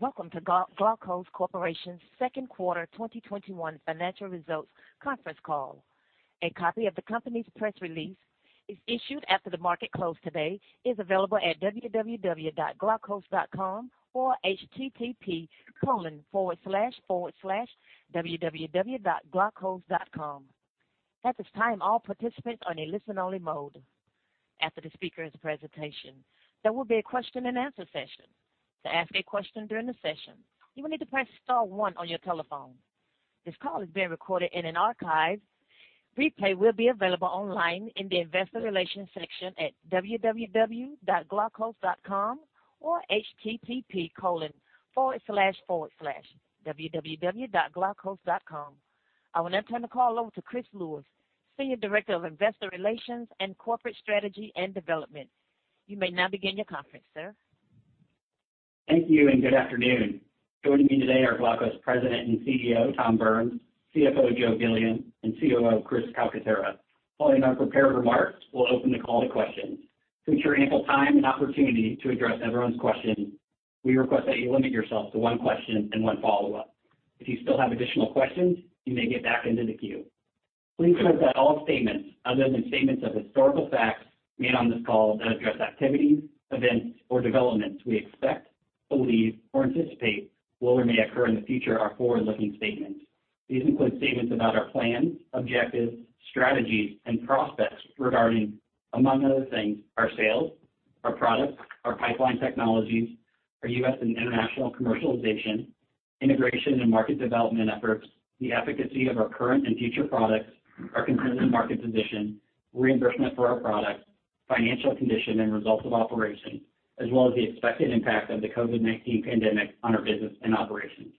Welcome to Glaukos Corporation's second quarter 2021 financial results conference call. A copy of the company's press release issued after the market close today is available at www.glaukos.com or http://www.glaukos.com. At this time, all participants are in a listen-only mode. After the speakers' presentation, there will be a question-and-answer session. To ask a question during the session, you will need to press star one on your telephone. This call is being recorded and an archive replay will be available online in the investor relations section at www.glaukos.com or http://www.glaukos.com. I will now turn the call over to Chris Lewis, Senior Director of investor relations and corporate strategy and development. You may now begin your conference, sir. Thank you, good afternoon. Joining me today are Glaukos President and CEO, Tom Burns, CFO Joe Gilliam, and COO Chris Calcaterra. Following our prepared remarks, we'll open the call to questions. To ensure ample time and opportunity to address everyone's question, we request that you limit yourself to one question and one follow-up. If you still have additional questions, you may get back into the queue. Please note that all statements other than statements of historical facts made on this call that address activities, events, or developments we expect, believe, or anticipate will or may occur in the future are forward-looking statements. These include statements about our plans, objectives, strategies, and prospects regarding, among other things, our sales, our products, our pipeline technologies, our U.S. and international commercialization, integration and market development efforts, the efficacy of our current and future products, our competitive market position, reimbursement for our products, financial condition and results of operation, as well as the expected impact of the COVID-19 pandemic on our business and operations.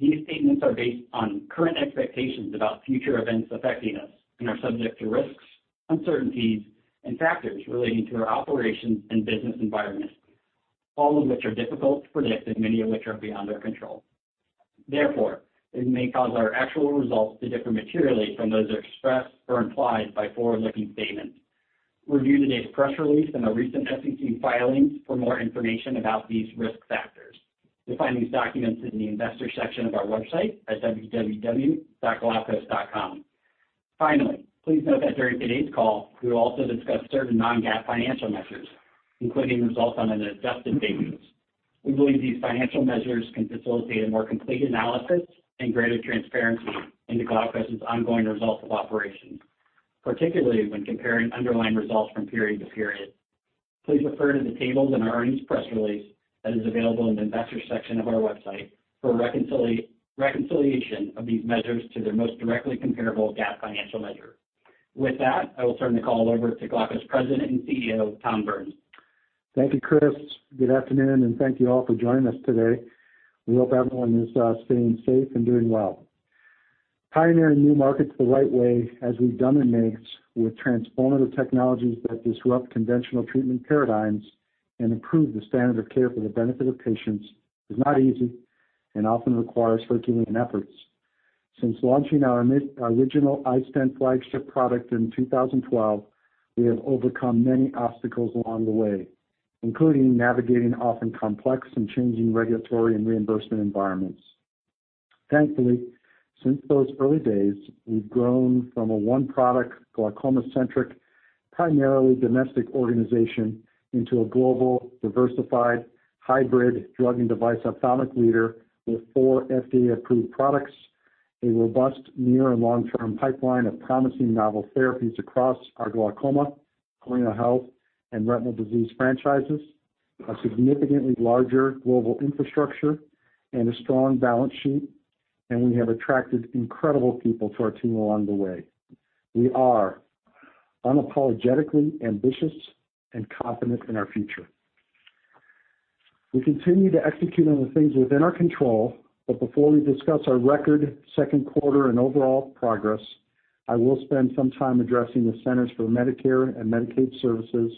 These statements are based on current expectations about future events affecting us and are subject to risks, uncertainties, and factors relating to our operations and business environment, all of which are difficult to predict and many of which are beyond our control. Therefore, it may cause our actual results to differ materially from those expressed or implied by forward-looking statements. Review today's press release and our recent SEC filings for more information about these risk factors. You'll find these documents in the investor section of our website at www.glaukos.com. Finally, please note that during today's call, we will also discuss certain non-GAAP financial measures, including results on an adjusted basis. We believe these financial measures can facilitate a more complete analysis and greater transparency into Glaukos' ongoing results of operations, particularly when comparing underlying results from period to period. Please refer to the tables in our earnings press release that is available in the investor section of our website for a reconciliation of these measures to their most directly comparable GAAP financial measure. With that, I will turn the call over to Glaukos President and CEO, Tom Burns. Thank you, Chris. Good afternoon, and thank you all for joining us today. We hope everyone is staying safe and doing well. Pioneering new markets the right way as we've done in MIGS with transformative technologies that disrupt conventional treatment paradigms and improve the standard of care for the benefit of patients is not easy and often requires Herculean efforts. Since launching our original iStent flagship product in 2012, we have overcome many obstacles along the way, including navigating often complex and changing regulatory and reimbursement environments. Thankfully, since those early days, we've grown from a one-product glaucoma-centric, primarily domestic organization into a global, diversified, hybrid drug and device ophthalmic leader with 4 FDA-approved products, a robust near and long-term pipeline of promising novel therapies across our glaucoma, retina health, and retinal disease franchises, a significantly larger global infrastructure, and a strong balance sheet, and we have attracted incredible people to our team along the way. We are unapologetically ambitious and confident in our future. We continue to execute on the things within our control, but before we discuss our record second quarter and overall progress, I will spend some time addressing the Centers for Medicare and Medicaid Services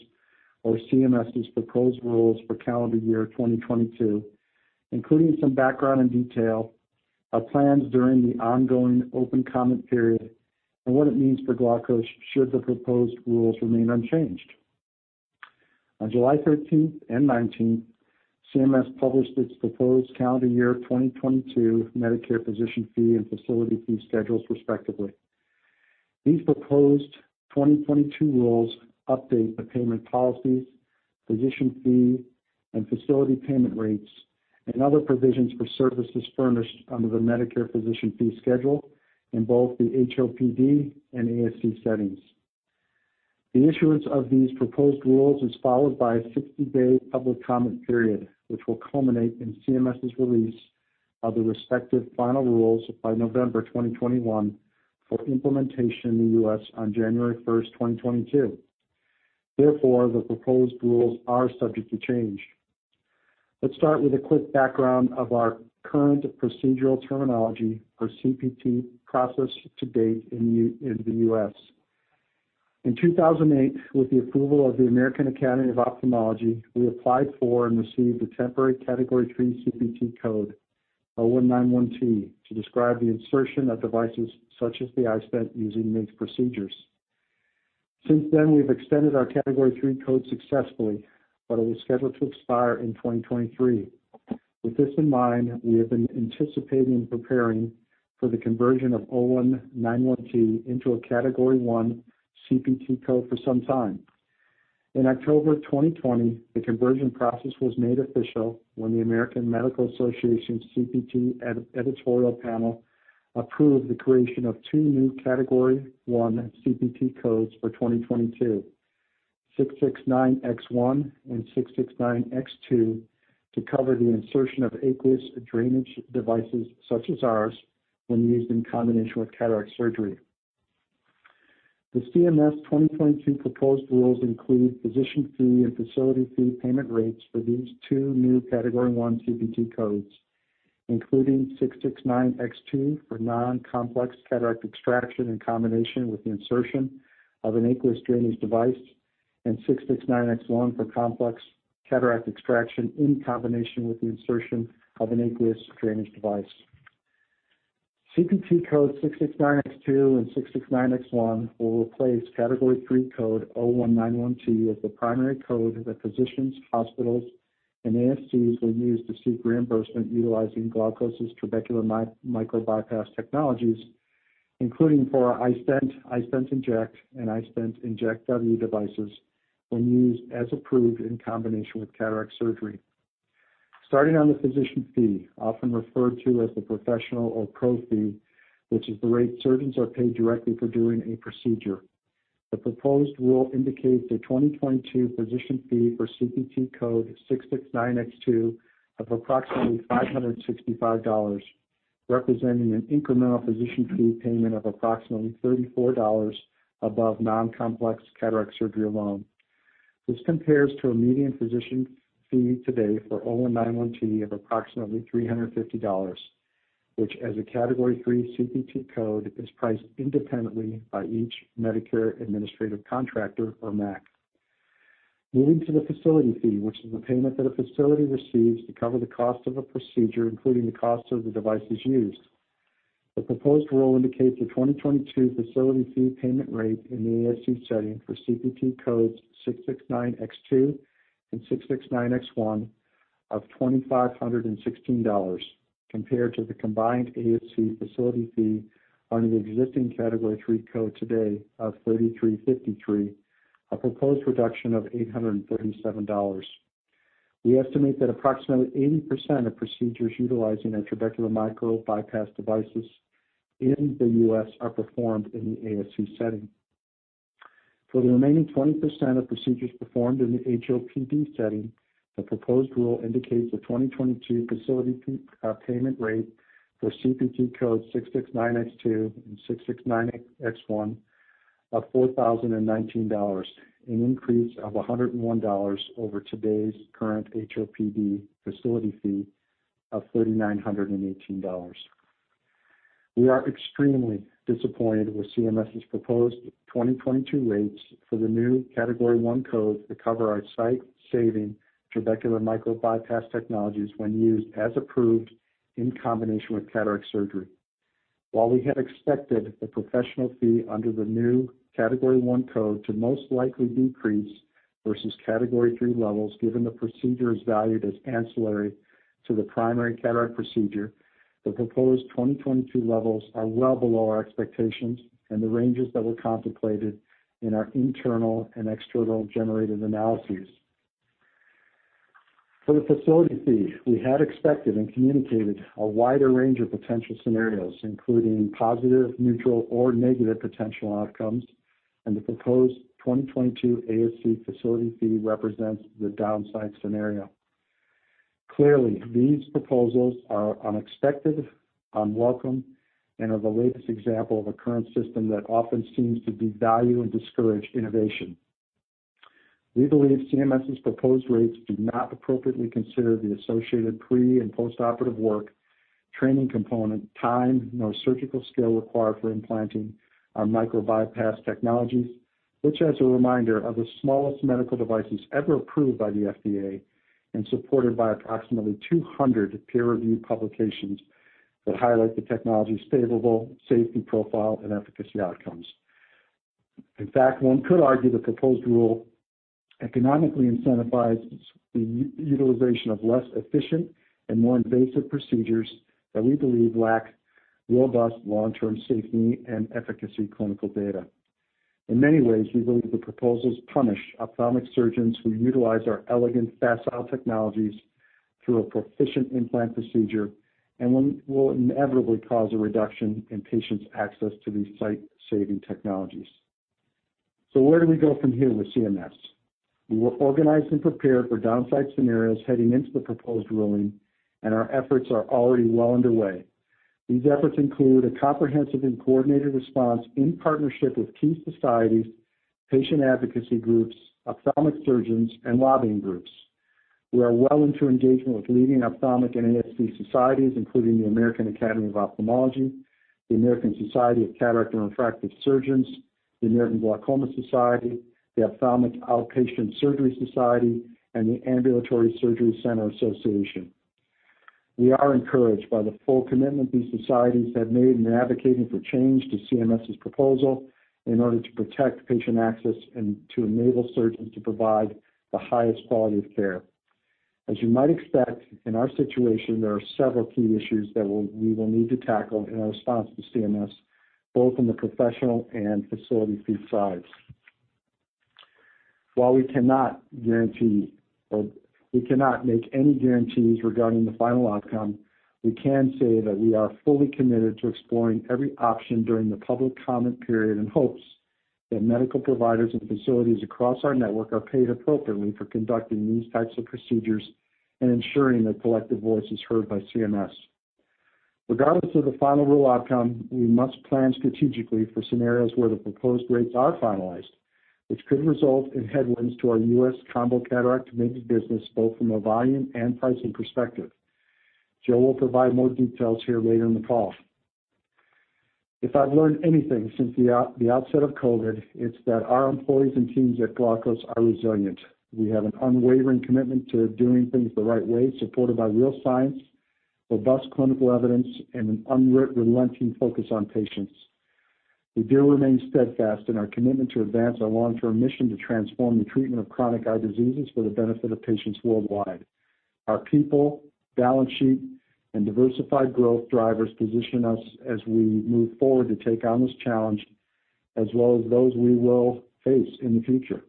or CMS's proposed rules for calendar year 2022, including some background and detail, our plans during the ongoing open comment period, and what it means for Glaukos should the proposed rules remain unchanged. On July 13th and 19th, CMS published its proposed calendar year 2022 Medicare physician fee and facility fee schedules, respectively. These proposed 2022 rules update the payment policies, physician fee, and facility payment rates and other provisions for services furnished under the Medicare physician fee schedule in both the HOPD and ASC settings. The issuance of these proposed rules is followed by a 60-day public comment period, which will culminate in CMS's release of the respective final rules by November 2021 for implementation in the U.S. on January 1st, 2022. The proposed rules are subject to change. Let's start with a quick background of our current procedural terminology or CPT process to date in the U.S. In 2008, with the approval of the American Academy of Ophthalmology, we applied for and received a temporary Category III CPT code, 0191T, to describe the insertion of devices such as the iStent using MIGS procedures. We've extended our Category III code successfully, but it will schedule to expire in 2023. With this in mind, we have been anticipating and preparing for the conversion of 0191T into a Category I CPT code for some time. In October 2020, the conversion process was made official when the American Medical Association's CPT editorial panel approved the creation of two new Category I CPT codes for 2022, 669X1 and 669X2, to cover the insertion of aqueous drainage devices such as ours when used in combination with cataract surgery. The CMS 2022 proposed rules include physician fee and facility fee payment rates for these two new Category I CPT codes, including 669X2 for non-complex cataract extraction in combination with the insertion of an aqueous drainage device, and 669X1 for complex cataract extraction in combination with the insertion of an aqueous drainage device. CPT code 669X2 and 669X1 will replace Category III code 0191T as the primary code that physicians, hospitals, and ASCs will use to seek reimbursement utilizing Glaukos' trabecular micro-bypass technologies, including for our iStent inject, and iStent inject W devices when used as approved in combination with cataract surgery. The physician fee, often referred to as the professional or pro fee, which is the rate surgeons are paid directly for doing a procedure. The proposed rule indicates a 2022 physician fee for CPT code 669X2 of approximately $565, representing an incremental physician fee payment of approximately $34 above non-complex cataract surgery alone. This compares to a median physician fee today for 0191T of approximately $350, which as a Category III CPT code is priced independently by each Medicare administrative contractor, or MAC. Moving to the facility fee, which is the payment that a facility receives to cover the cost of a procedure, including the cost of the devices used. The proposed rule indicates a 2022 facility fee payment rate in the ASC setting for CPT codes 669X2 and 669X1 of $2,516 compared to the combined ASC facility fee under the existing Category III code today of $3,353, a proposed reduction of $837. We estimate that approximately 80% of procedures utilizing our trabecular micro-bypass devices in the U.S. are performed in the ASC setting. For the remaining 20% of procedures performed in the HOPD setting, the proposed rule indicates a 2022 facility fee payment rate for CPT code 669X2 and 669X1 of $4,019, an increase of $101 over today's current HOPD facility fee of $3,918. We are extremely disappointed with CMS's proposed 2022 rates for the new Category I codes that cover our sight-saving trabecular micro-bypass technologies when used as approved in combination with cataract surgery. While we had expected the professional fee under the new Category I code to most likely decrease versus Category III levels, given the procedure is valued as ancillary to the primary cataract procedure, the proposed 2022 levels are well below our expectations and the ranges that were contemplated in our internal and external generated analyses. For the facility fee, we had expected and communicated a wider range of potential scenarios, including positive, neutral, or negative potential outcomes. The proposed 2022 ASC facility fee represents the downside scenario. Clearly, these proposals are unexpected, unwelcome, and are the latest example of a current system that often seems to devalue and discourage innovation. We believe CMS's proposed rates do not appropriately consider the associated pre- and postoperative work, training component, time, nor surgical skill required for implanting our micro-bypass technologies, which, as a reminder, are the smallest medical devices ever approved by the FDA and supported by approximately 200 peer-reviewed publications that highlight the technology's favorable safety profile and efficacy outcomes. In fact, one could argue the proposed rule economically incentivizes the utilization of less efficient and more invasive procedures that we believe lack robust long-term safety and efficacy clinical data. In many ways, we believe the proposals punish ophthalmic surgeons who utilize our elegant, facile technologies through a proficient implant procedure and will inevitably cause a reduction in patients' access to these sight-saving technologies. Where do we go from here with CMS? We were organized and prepared for downside scenarios heading into the proposed ruling, and our efforts are already well underway. These efforts include a comprehensive and coordinated response in partnership with key societies, patient advocacy groups, ophthalmic surgeons, and lobbying groups. We are well into engagement with leading ophthalmic and ASC societies, including the American Academy of Ophthalmology, the American Society of Cataract and Refractive Surgery, the American Glaucoma Society, the Outpatient Ophthalmic Surgery Society, and the Ambulatory Surgery Center Association. We are encouraged by the full commitment these societies have made in advocating for change to CMS's proposal in order to protect patient access and to enable surgeons to provide the highest quality of care. As you might expect, in our situation, there are several key issues that we will need to tackle in our response to CMS, both in the professional and facility fee sides. While we cannot make any guarantees regarding the final outcome, we can say that we are fully committed to exploring every option during the public comment period in hopes that medical providers and facilities across our network are paid appropriately for conducting these types of procedures and ensuring their collective voice is heard by CMS. Regardless of the final rule outcome, we must plan strategically for scenarios where the proposed rates are finalized, which could result in headwinds to our U.S. combo cataract MIGS business both from a volume and pricing perspective. Joe will provide more details here later in the call. If I've learned anything since the outset of COVID-19, it's that our employees and teams at Glaukos are resilient. We have an unwavering commitment to doing things the right way, supported by real science, robust clinical evidence, and an unrelenting focus on patients. We do remain steadfast in our commitment to advance our long-term mission to transform the treatment of chronic eye diseases for the benefit of patients worldwide. Our people, balance sheet, and diversified growth drivers position us as we move forward to take on this challenge, as well as those we will face in the future.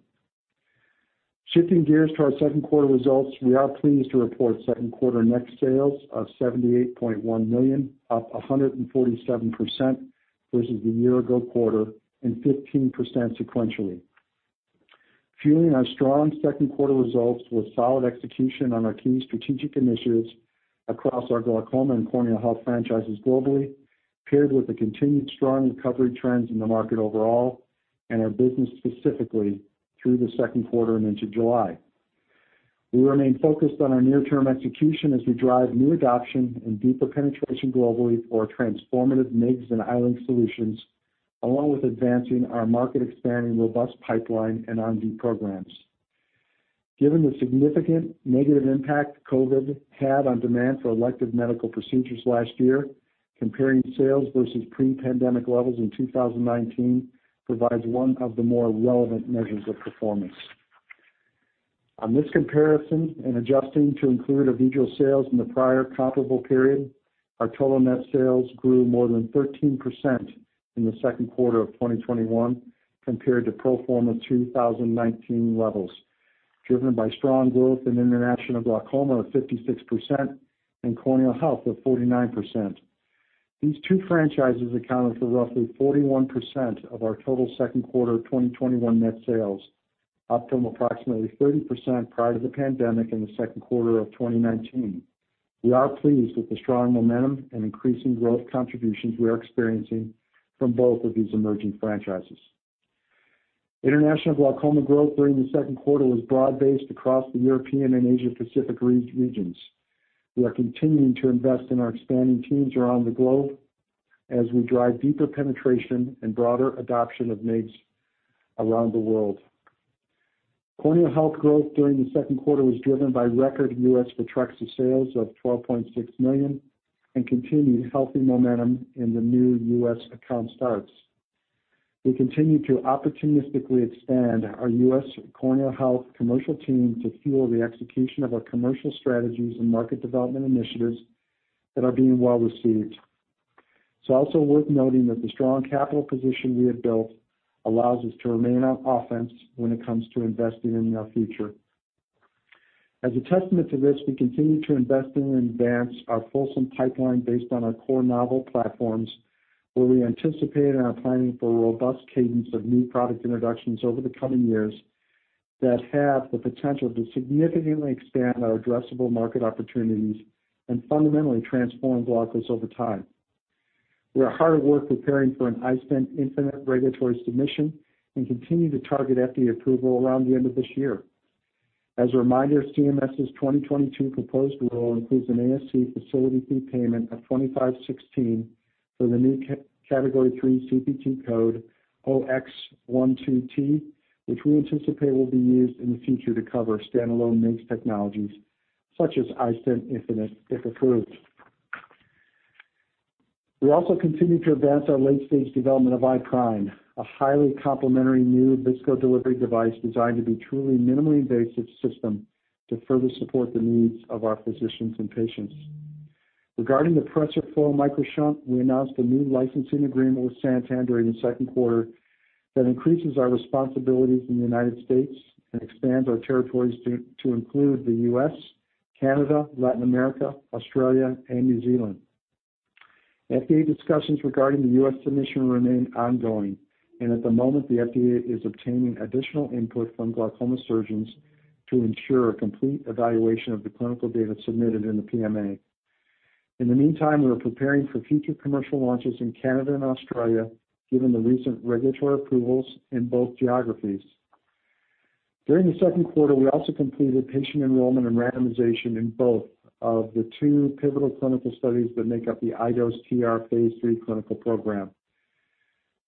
Shifting gears to our second quarter results, we are pleased to report second quarter net sales of $78.1 million, up 147% versus the year ago quarter and 15% sequentially. Fueling our strong second quarter results was solid execution on our key strategic initiatives across our glaucoma and corneal health franchises globally, paired with the continued strong recovery trends in the market overall and our business specifically through the second quarter and into July. We remain focused on our near-term execution as we drive new adoption and deeper penetration globally for our transformative MIGS and iLink solutions, along with advancing our market-expanding robust pipeline and R&D programs. Given the significant negative impact COVID had on demand for elective medical procedures last year, comparing sales versus pre-pandemic levels in 2019 provides one of the more relevant measures of performance. On this comparison, and adjusting to include Avedro sales in the prior comparable period, our total net sales grew more than 13% in the second quarter of 2021 compared to pro forma 2019 levels, driven by strong growth in international glaucoma of 56% and corneal health of 49%. These two franchises accounted for roughly 41% of our total second quarter 2021 net sales, up from approximately 30% prior to the pandemic in the second quarter of 2019. We are pleased with the strong momentum and increasing growth contributions we are experiencing from both of these emerging franchises. International glaucoma growth during the second quarter was broad-based across the European and Asia Pacific regions. We are continuing to invest in our expanding teams around the globe as we drive deeper penetration and broader adoption of MIGS around the world. Corneal health growth during the second quarter was driven by record U.S. Photrexa sales of $12.6 million and continued healthy momentum in the new U.S. account starts. We continue to opportunistically expand our U.S. corneal health commercial team to fuel the execution of our commercial strategies and market development initiatives that are being well received. It's also worth noting that the strong capital position we have built allows us to remain on offense when it comes to investing in our future. As a testament to this, we continue to invest in and advance our fulsome pipeline based on our core novel platforms, where we anticipate and are planning for a robust cadence of new product introductions over the coming years that have the potential to significantly expand our addressable market opportunities and fundamentally transform Glaukos over time. We are hard at work preparing for an iStent infinite regulatory submission and continue to target FDA approval around the end of this year. As a reminder, CMS's 2022 proposed rule includes an ASC facility fee payment of $2,516 for the new category 3 CPT code 0X12T, which we anticipate will be used in the future to cover standalone MIGS technologies such as iStent infinite, if approved. We also continue to advance our late-stage development of iPRIME, a highly complementary new viscodelivery device designed to be truly minimally invasive system to further support the needs of our physicians and patients. Regarding the PRESERFLO MicroShunt, we announced a new licensing agreement with Santen during the second quarter that increases our responsibility in the U.S. and expands our territories to include the U.S., Canada, Latin America, Australia, and New Zealand. FDA discussions regarding the U.S. submission remain ongoing. At the moment, the FDA is obtaining additional input from glaucoma surgeons to ensure a complete evaluation of the clinical data submitted in the PMA. In the meantime, we are preparing for future commercial launches in Canada and Australia, given the recent regulatory approvals in both geographies. During the second quarter, we also completed patient enrollment and randomization in both of the two pivotal clinical studies that make up the iDose TR phase III clinical program.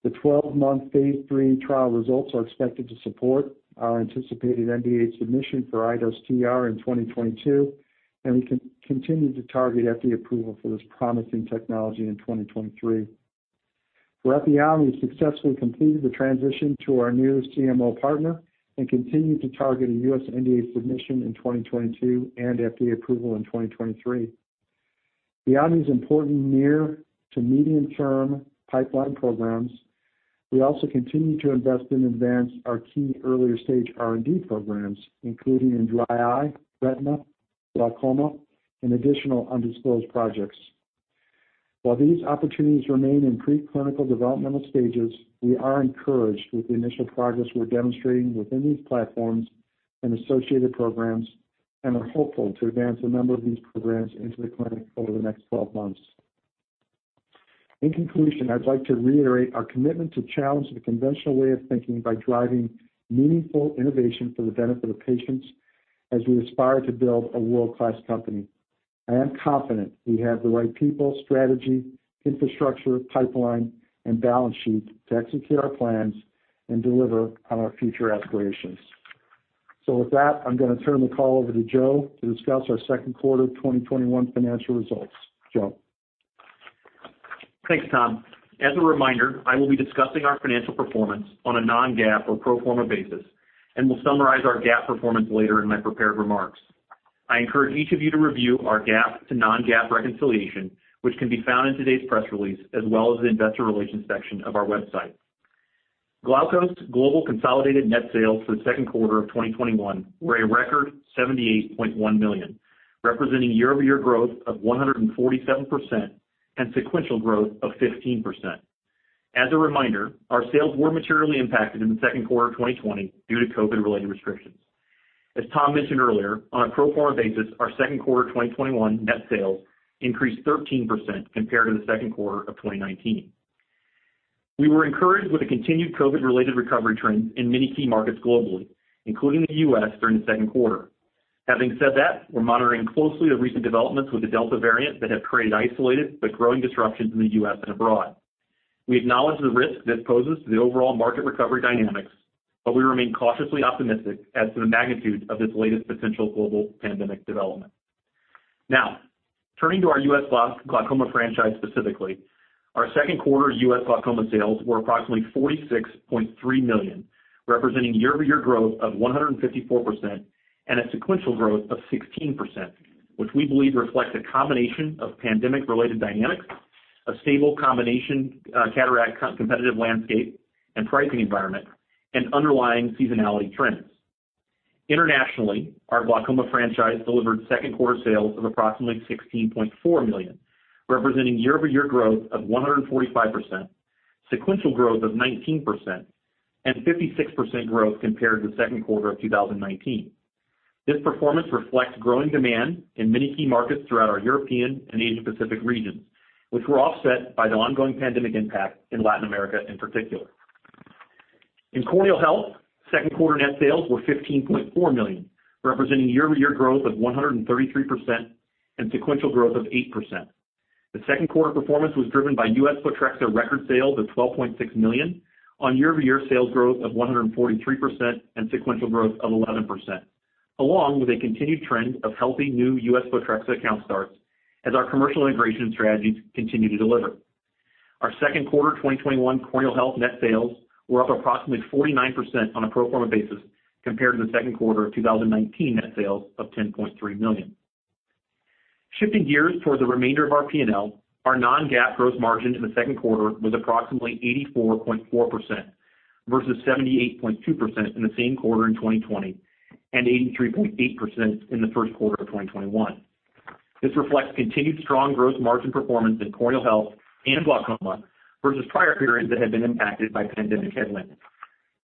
The 12-month phase III trial results are expected to support our anticipated NDA submission for iDose TR in 2022, and we continue to target FDA approval for this promising technology in 2023. For Epi-on, we successfully completed the transition to our newest CMO partner and continue to target a U.S. NDA submission in 2022 and FDA approval in 2023. Beyond these important near to medium-term pipeline programs, we also continue to invest and advance our key earlier-stage R&D programs, including in dry eye, retina, glaucoma, and additional undisclosed projects. While these opportunities remain in pre-clinical developmental stages, we are encouraged with the initial progress we're demonstrating within these platforms and associated programs, and are hopeful to advance a number of these programs into the clinic over the next 12 months. In conclusion, I'd like to reiterate our commitment to challenge the conventional way of thinking by driving meaningful innovation for the benefit of patients as we aspire to build a world-class company. I am confident we have the right people, strategy, infrastructure, pipeline, and balance sheet to execute our plans and deliver on our future aspirations. With that, I'm going to turn the call over to Joe to discuss our second quarter 2021 financial results. Joe. Thanks, Tom. As a reminder, I will be discussing our financial performance on a non-GAAP or pro forma basis and will summarize our GAAP performance later in my prepared remarks. I encourage each of you to review our GAAP to non-GAAP reconciliation, which can be found in today's press release, as well as the investor relations section of our website. Glaukos' global consolidated net sales for the second quarter of 2021 were a record $78.1 million, representing year-over-year growth of 147% and sequential growth of 15%. As a reminder, our sales were materially impacted in the second quarter of 2020 due to COVID-related restrictions. As Tom mentioned earlier, on a pro forma basis, our second quarter 2021 net sales increased 13% compared to the second quarter of 2019. We were encouraged with the continued COVID-related recovery trends in many key markets globally, including the U.S. during the second quarter. Having said that, we're monitoring closely the recent developments with the Delta variant that have created isolated but growing disruptions in the U.S. and abroad. We acknowledge the risk this poses to the overall market recovery dynamics, but we remain cautiously optimistic as to the magnitude of this latest potential global pandemic development. Now, turning to our U.S. glaucoma franchise specifically, our second quarter U.S. glaucoma sales were approximately $46.3 million, representing year-over-year growth of 154% and a sequential growth of 16%, which we believe reflects a combination of pandemic-related dynamics, a stable combination cataract competitive landscape and pricing environment, and underlying seasonality trends. Internationally, our glaucoma franchise delivered second quarter sales of approximately $16.4 million, representing year-over-year growth of 145%, sequential growth of 19%, and 56% growth compared to the second quarter of 2019. This performance reflects growing demand in many key markets throughout our European and Asian Pacific regions, which were offset by the ongoing pandemic impact in Latin America in particular. In corneal health, second quarter net sales were $15.4 million, representing year-over-year growth of 133% and sequential growth of 8%. The second quarter performance was driven by U.S. Photrexa record sales of $12.6 million on year-over-year sales growth of 143% and sequential growth of 11%, along with a continued trend of healthy new U.S. Photrexa account starts as our commercial integration strategies continue to deliver. Our second quarter 2021 corneal health net sales were up approximately 49% on a pro forma basis compared to the second quarter of 2019 net sales of $10.3 million. Shifting gears toward the remainder of our P&L, our non-GAAP gross margin in the second quarter was approximately 84.4% versus 78.2% in the same quarter in 2020 and 83.8% in the first quarter of 2021. This reflects continued strong gross margin performance in corneal health and glaucoma versus prior periods that had been impacted by pandemic headwinds.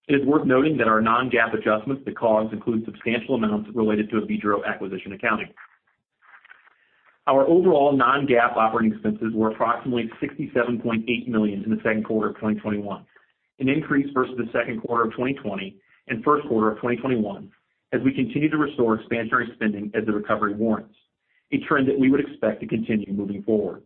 It is worth noting that our non-GAAP adjustments to COGS include substantial amounts related to Avedro acquisition accounting. Our overall non-GAAP operating expenses were approximately $67.8 million in the second quarter of 2021, an increase versus the second quarter of 2020 and first quarter of 2021 as we continue to restore expansionary spending as the recovery warrants, a trend that we would expect to continue moving forward.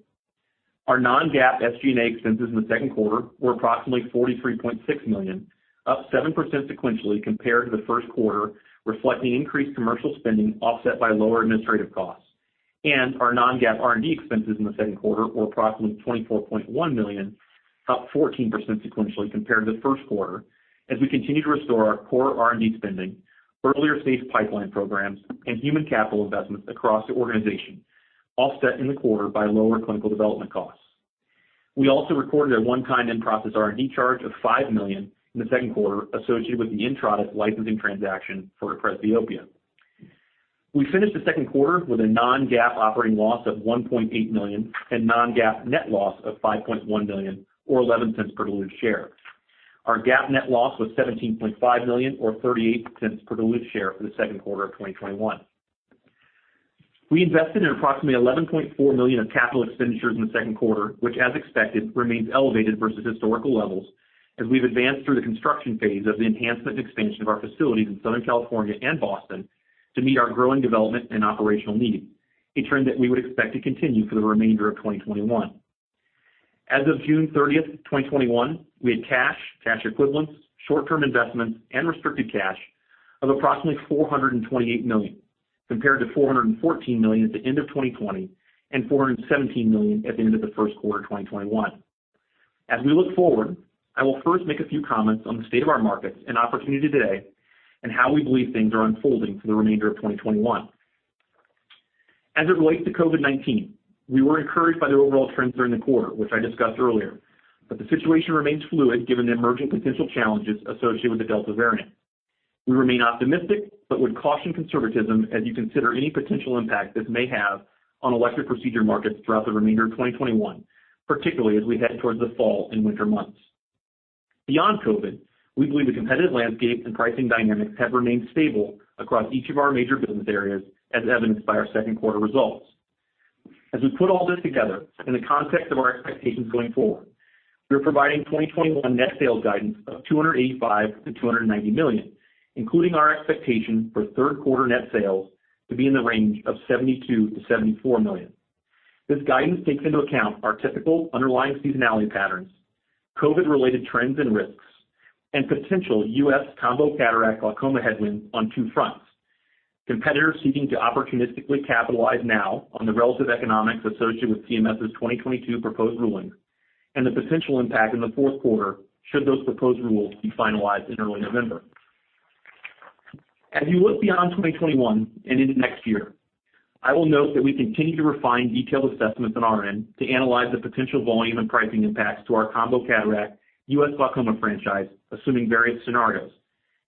Our non-GAAP SG&A expenses in the second quarter were approximately $43.6 million, up 7% sequentially compared to the first quarter, reflecting increased commercial spending offset by lower administrative costs. Our non-GAAP R&D expenses in the second quarter were approximately $24.1 million, up 14% sequentially compared to the first quarter as we continue to restore our core R&D spending, earlier-stage pipeline programs, and human capital investments across the organization, offset in the quarter by lower clinical development costs. We also recorded a one-time in-process R&D charge of $5 million in the second quarter associated with the Intratus licensing transaction for reproxalap. We finished the second quarter with a non-GAAP operating loss of $1.8 million and non-GAAP net loss of $5.1 million or $0.11 per diluted share. Our GAAP net loss was $17.5 million or $0.38 per diluted share for the second quarter of 2021. We invested in approximately $11.4 million of capital expenditures in the second quarter, which as expected remains elevated versus historical levels as we've advanced through the construction phase of the enhancement and expansion of our facilities in Southern California and Boston to meet our growing development and operational needs. A trend that we would expect to continue for the remainder of 2021. As of June 30, 2021, we had cash equivalents, short-term investments, and restricted cash of approximately $428 million, compared to $414 million at the end of 2020 and $417 million at the end of the first quarter of 2021. As we look forward, I will first make a few comments on the state of our markets and opportunity today, and how we believe things are unfolding for the remainder of 2021. As it relates to COVID-19, we were encouraged by the overall trends during the quarter, which I discussed earlier. The situation remains fluid given the emerging potential challenges associated with the Delta variant. We remain optimistic but would caution conservatism as you consider any potential impact this may have on elective procedure markets throughout the remainder of 2021, particularly as we head towards the fall and winter months. Beyond COVID, we believe the competitive landscape and pricing dynamics have remained stable across each of our major business areas, as evidenced by our second quarter results. As we put all this together in the context of our expectations going forward, we are providing 2021 net sales guidance of $285 million-$290 million, including our expectation for third quarter net sales to be in the range of $72 million-$74 million. This guidance takes into account our typical underlying seasonality patterns, COVID-related trends and risks, and potential U.S. combo cataract glaucoma headwind on two fronts. Competitors seeking to opportunistically capitalize now on the relative economics associated with CMS's 2022 proposed ruling, and the potential impact in the fourth quarter should those proposed rules be finalized in early November. You look beyond 2021 and into next year, I will note that we continue to refine detailed assessments on our end to analyze the potential volume and pricing impacts to our combo cataract U.S. glaucoma franchise, assuming various scenarios,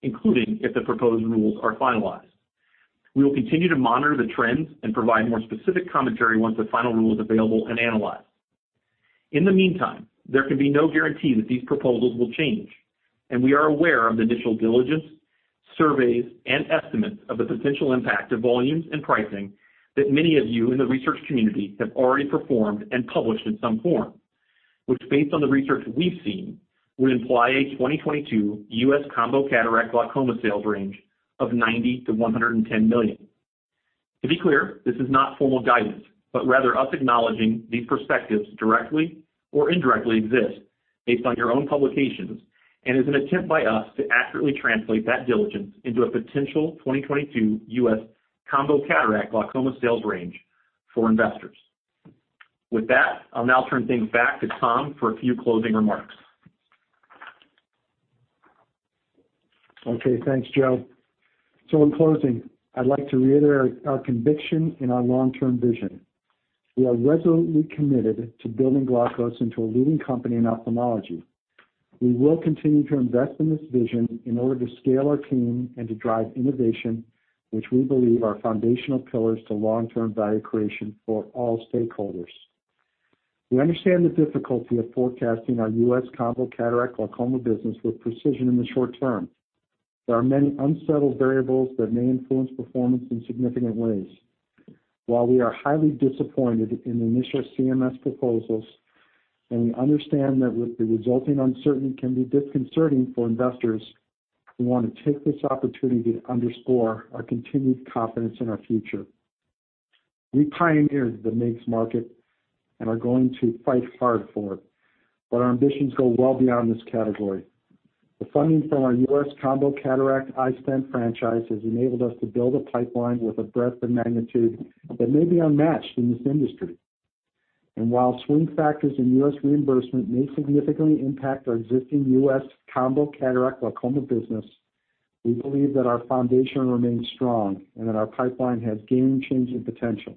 including if the proposed rules are finalized. We will continue to monitor the trends and provide more specific commentary once the final rule is available and analyzed. In the meantime, there can be no guarantee that these proposals will change, and we are aware of the initial diligence, surveys, and estimates of the potential impact to volumes and pricing that many of you in the research community have already performed and published in some form, which based on the research we've seen, would imply a 2022 U.S. combo cataract glaucoma sales range of $90 million-$110 million. To be clear, this is not formal guidance, but rather us acknowledging these perspectives directly or indirectly exist based on your own publications and is an attempt by us to accurately translate that diligence into a potential 2022 U.S. combo cataract glaucoma sales range for investors. With that, I'll now turn things back to Tom for a few closing remarks. Okay. Thanks, Joe. In closing, I'd like to reiterate our conviction in our long-term vision. We are resolutely committed to building Glaukos into a leading company in ophthalmology. We will continue to invest in this vision in order to scale our team and to drive innovation, which we believe are foundational pillars to long-term value creation for all stakeholders. We understand the difficulty of forecasting our U.S. combo cataract glaucoma business with precision in the short term. There are many unsettled variables that may influence performance in significant ways. While we are highly disappointed in the initial CMS proposals, and we understand that the resulting uncertainty can be disconcerting for investors, we want to take this opportunity to underscore our continued confidence in our future. We pioneered the MIGS market and are going to fight hard for it, but our ambitions go well beyond this category. The funding from our U.S. combo cataract iStent franchise has enabled us to build a pipeline with a breadth and magnitude that may be unmatched in this industry. While swing factors in U.S. reimbursement may significantly impact our existing U.S. combo cataract glaucoma business, we believe that our foundation remains strong and that our pipeline has game-changing potential.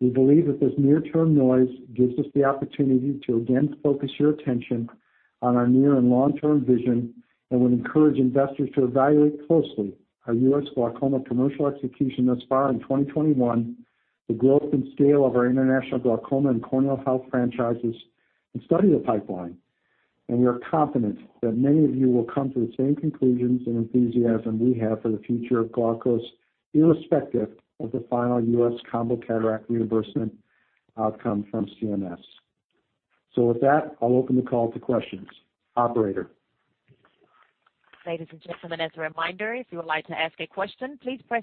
We believe that this near-term noise gives us the opportunity to again focus your attention on our near and long-term vision and would encourage investors to evaluate closely our U.S. glaucoma commercial execution thus far in 2021, the growth and scale of our international glaucoma and corneal health franchises, and study the pipeline. We are confident that many of you will come to the same conclusions and enthusiasm we have for the future of Glaukos irrespective of the final U.S. combo cataract reimbursement outcome from CMS. With that, I'll open the call to questions. Operator? Ladies and gentlemen, as a reminder, if you would like to ask a question, please press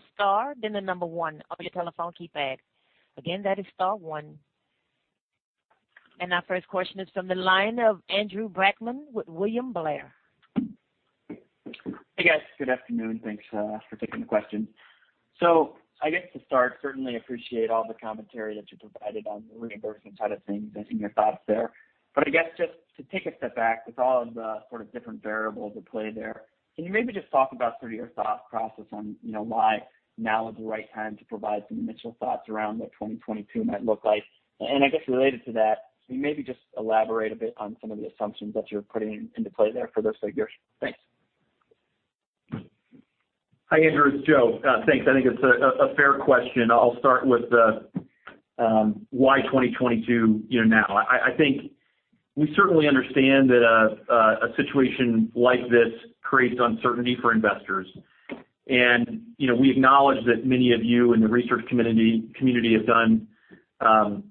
star then the number one on your telephone keypad. Again, that is star one. Our first question is from the line of Andrew Brackmann with William Blair. Hey, guys. Good afternoon. Thanks for taking the question. I guess to start, certainly appreciate all the commentary that you provided on the reimbursement side of things and your thoughts there. I guess just to take a step back with all of the sort of different variables at play there, can you maybe just talk about sort of your thought process on why now is the right time to provide some initial thoughts around what 2022 might look like? And I guess related to that, can you maybe just elaborate a bit on some of the assumptions that you're putting into play there for those figures? Thanks. Hi, Andrew. It's Joe. Thanks. I think it's a fair question. I'll start with why 2022 now. I think we certainly understand that a situation like this creates uncertainty for investors. We acknowledge that many of you in the research community have done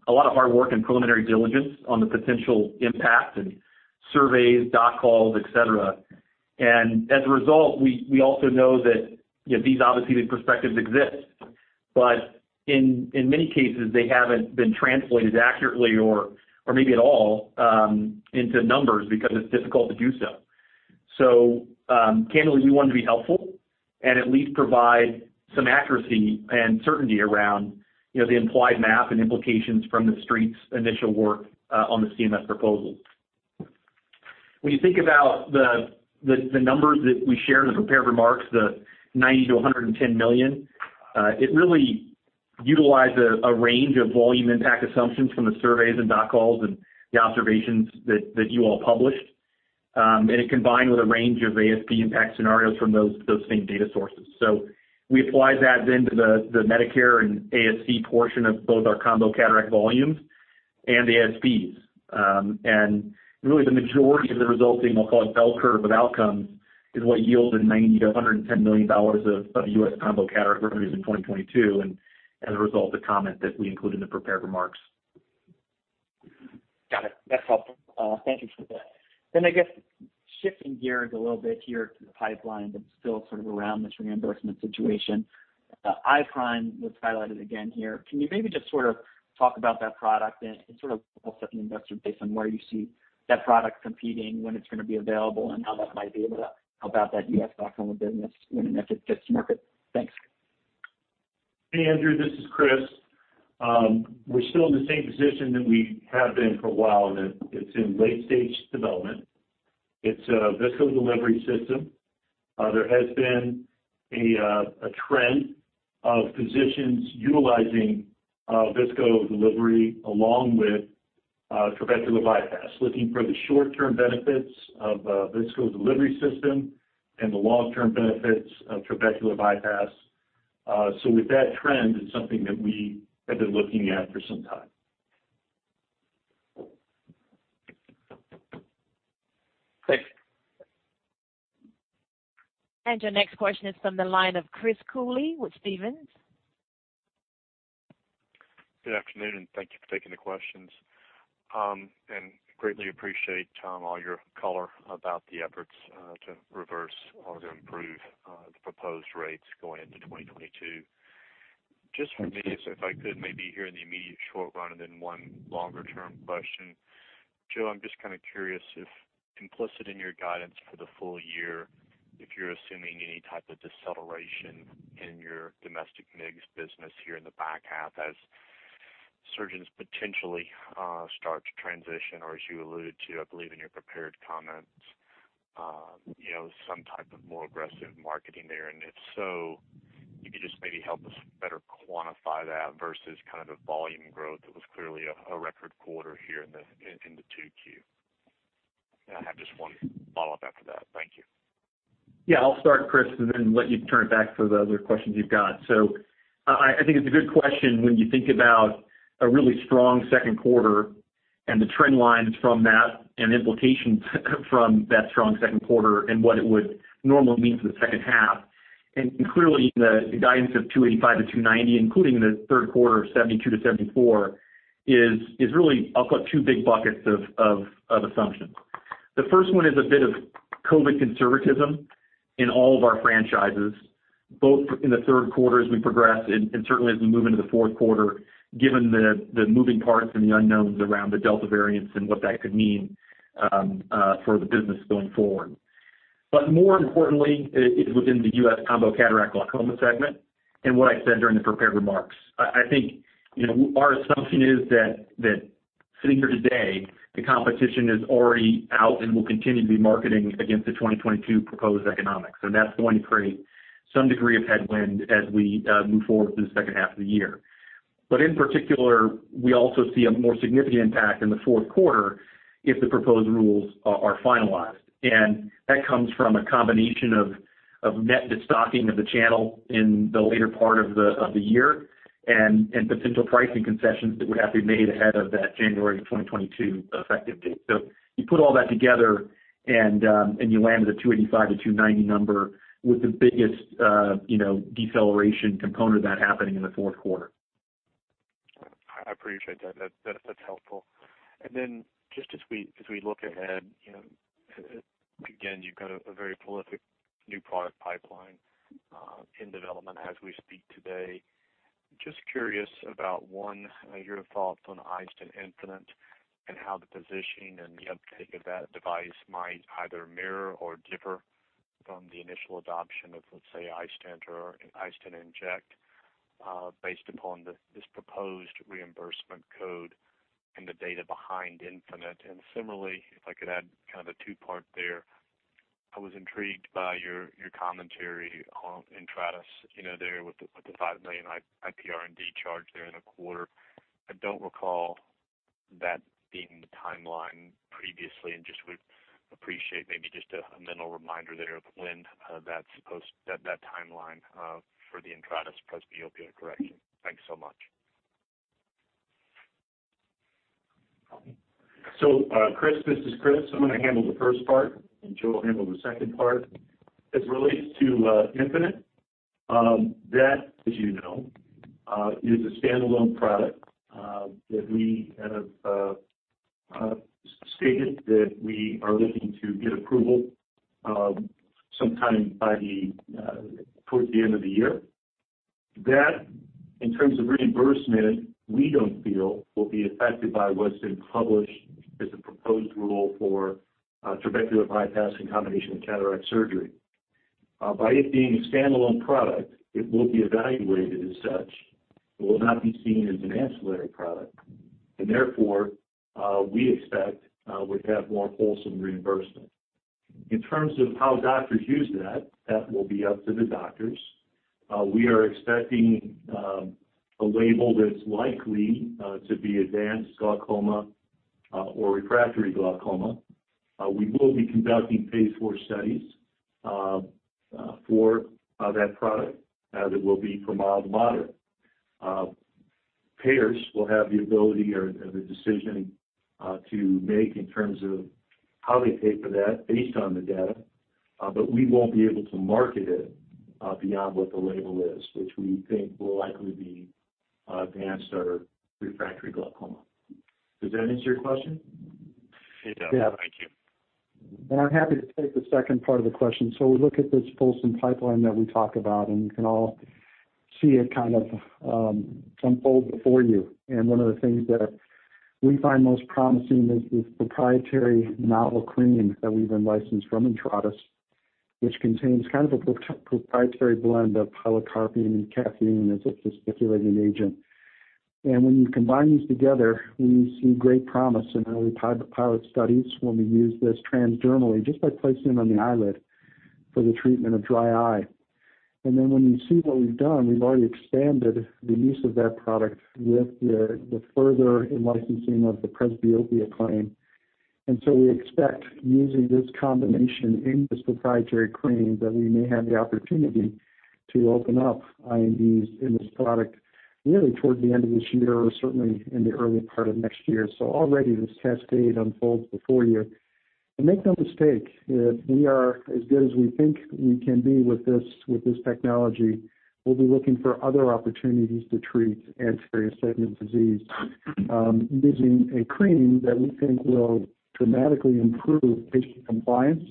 a lot of hard work and preliminary diligence on the potential impact and surveys, doc calls, et cetera. As a result, we also know that these obviously these perspectives exist, but in many cases, they haven't been translated accurately or maybe at all into numbers because it's difficult to do so. Candidly, we wanted to be helpful and at least provide some accuracy and certainty around the implied math and implications from The Street's initial work on the CMS proposal. When you think about the numbers that we share in the prepared remarks, the $90 million-$110 million, it really utilized a range of volume impact assumptions from the surveys and doc calls and the observations that you all published. It combined with a range of ASP impact scenarios from those same data sources. We applied that to the Medicare and ASC portion of both our combo cataract volumes and the ASPs. Really the majority of the resulting, I'll call it bell curve of outcomes, is what yielded $90 million-$110 million of U.S. combo cataract revenues in 2022, and as a result, the comment that we included in the prepared remarks. Got it. That's helpful. Thank you for that. I guess shifting gears a little bit here to the pipeline, but still sort of around this reimbursement situation. iStent was highlighted again here. Can you maybe just sort of talk about that product and sort of help set the investor base on where you see that product competing, when it's going to be available, and how that might be able to help out that U.S. glaucoma business when and if it gets to market? Thanks. Hey, Andrew, this is Chris. We're still in the same position that we have been for a while, in that it's in late stage development. It's a visco delivery system. There has been a trend of physicians utilizing visco delivery along with trabecular bypass, looking for the short-term benefits of a visco delivery system and the long-term benefits of trabecular bypass. With that trend, it's something that we have been looking at for some time. Thanks. Your next question is from the line of Chris Cooley with Stephens. Good afternoon, and thank you for taking the questions. Greatly appreciate, Tom, all your color about the efforts to reverse or to improve the proposed rates going into 2022. Just for me, if I could maybe hear in the immediate short run and then one longer-term question. Joe, I'm just kind of curious if implicit in your guidance for the full year, if you're assuming any type of deceleration in your domestic MIGS business here in the back half as surgeons potentially start to transition, or as you alluded to, I believe in your prepared comments, some type of more aggressive marketing there. If so, if you could just maybe help us better quantify that versus kind of the volume growth that was clearly a record quarter here in the 2Q. I have just one follow-up after that. Thank you. Yeah. I'll start, Chris, and then let you turn it back for the other questions you've got. I think it's a good question when you think about a really strong second quarter and the trend lines from that and implications from that strong second quarter and what it would normally mean for the second half. Clearly, the guidance of $285-$290, including the third quarter of $72-$74 is really, I'll call it 2 big buckets of assumptions. The first one is a bit of COVID-19 conservatism in all of our franchises, both in the third quarter as we progress and certainly as we move into the fourth quarter, given the moving parts and the unknowns around the Delta variant and what that could mean for the business going forward. More importantly, is within the U.S. combo cataract glaucoma segment, and what I said during the prepared remarks. I think our assumption is that sitting here today, the competition is already out and will continue to be marketing against the 2022 proposed economics. That's going to create some degree of headwind as we move forward through the second half of the year. In particular, we also see a more significant impact in the fourth quarter if the proposed rules are finalized. That comes from a combination of net de-stocking of the channel in the later part of the year and potential pricing concessions that would have to be made ahead of that January 2022 effective date. You put all that together, and you land at a $285-$290 number with the biggest deceleration component of that happening in the fourth quarter. I appreciate that. That's helpful. Just as we look ahead, again, you've got a very prolific new product pipeline in development as we speak today. Just curious about, one, your thoughts on iStent infinite and how the positioning and the uptake of that device might either mirror or differ from the initial adoption of, let's say, iStent or iStent inject based upon this proposed reimbursement code and the data behind infinite. Similarly, if I could add kind of a two-part there, I was intrigued by your commentary on Intratus there with the $5 million IPR&D charge there in the quarter. I don't recall that being the timeline previously, and just would appreciate maybe just a mental reminder there of when that timeline for the Intratus presbyopia correction. Thanks so much. Chris, this is Chris. I'm going to handle the first part, and Joe will handle the second part. As it relates to iStent infinite. That, as you know, is a standalone product that we have stated that we are looking to get approval sometime towards the end of the year. That, in terms of reimbursement, we don't feel will be affected by what's been published as a proposed rule for trabecular bypass in combination with cataract surgery. By it being a standalone product, it will be evaluated as such. It will not be seen as an ancillary product. Therefore, we expect we'd have more fulsome reimbursement. In terms of how doctors use that will be up to the doctors. We are expecting a label that's likely to be advanced glaucoma or refractory glaucoma. We will be conducting phase IV studies for that product, as it will be for mild to moderate. Payers will have the ability or the decision to make in terms of how they pay for that based on the data. We won't be able to market it beyond what the label is, which we think will likely be advanced or refractory glaucoma. Does that answer your question? It does. Thank you. I'm happy to take the second part of the question. We look at this fulsome pipeline that we talk about, and you can all see it kind of unfold before you. One of the things that we find most promising is this proprietary novel cream that we've been licensed from Intratus, which contains kind of a proprietary blend of pilocarpine and caffeine as a gesticulating agent. When you combine these together, we see great promise in early pilot studies when we use this transdermally, just by placing it on the eyelid for the treatment of dry eye. When you see what we've done, we've already expanded the use of that product with the further in-licensing of the presbyopia claim. We expect using this combination in this proprietary cream, that we may have the opportunity to open up INDs in this product really toward the end of this year or certainly in the early part of next year. Already this cascade unfolds before you. Make no mistake, if we are as good as we think we can be with this technology, we'll be looking for other opportunities to treat anterior segment disease using a cream that we think will dramatically improve patient compliance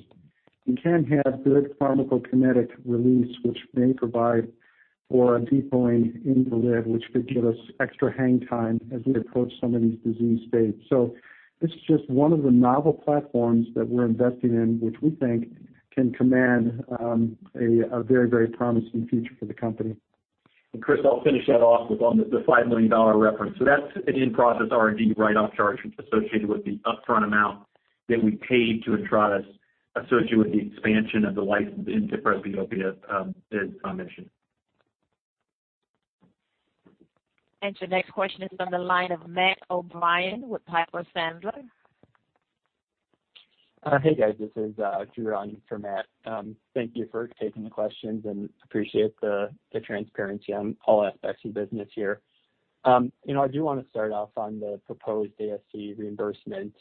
and can have good pharmacokinetic release, which may provide for a depoting in the lid, which could give us extra hang time as we approach some of these disease states. This is just one of the novel platforms that we're investing in, which we think can command a very promising future for the company. Chris, I'll finish that off with on the $5 million reference. That's an in-process R&D write-off charge associated with the upfront amount that we paid to Intratus associated with the expansion of the license into presbyopia, as mentioned. Your next question is on the line of Matt O'Brien with Piper Sandler. Hey, guys. This is Drew on for Matt. Thank you for taking the questions. Appreciate the transparency on all aspects of the business here. I do want to start off on the proposed ASC reimbursement.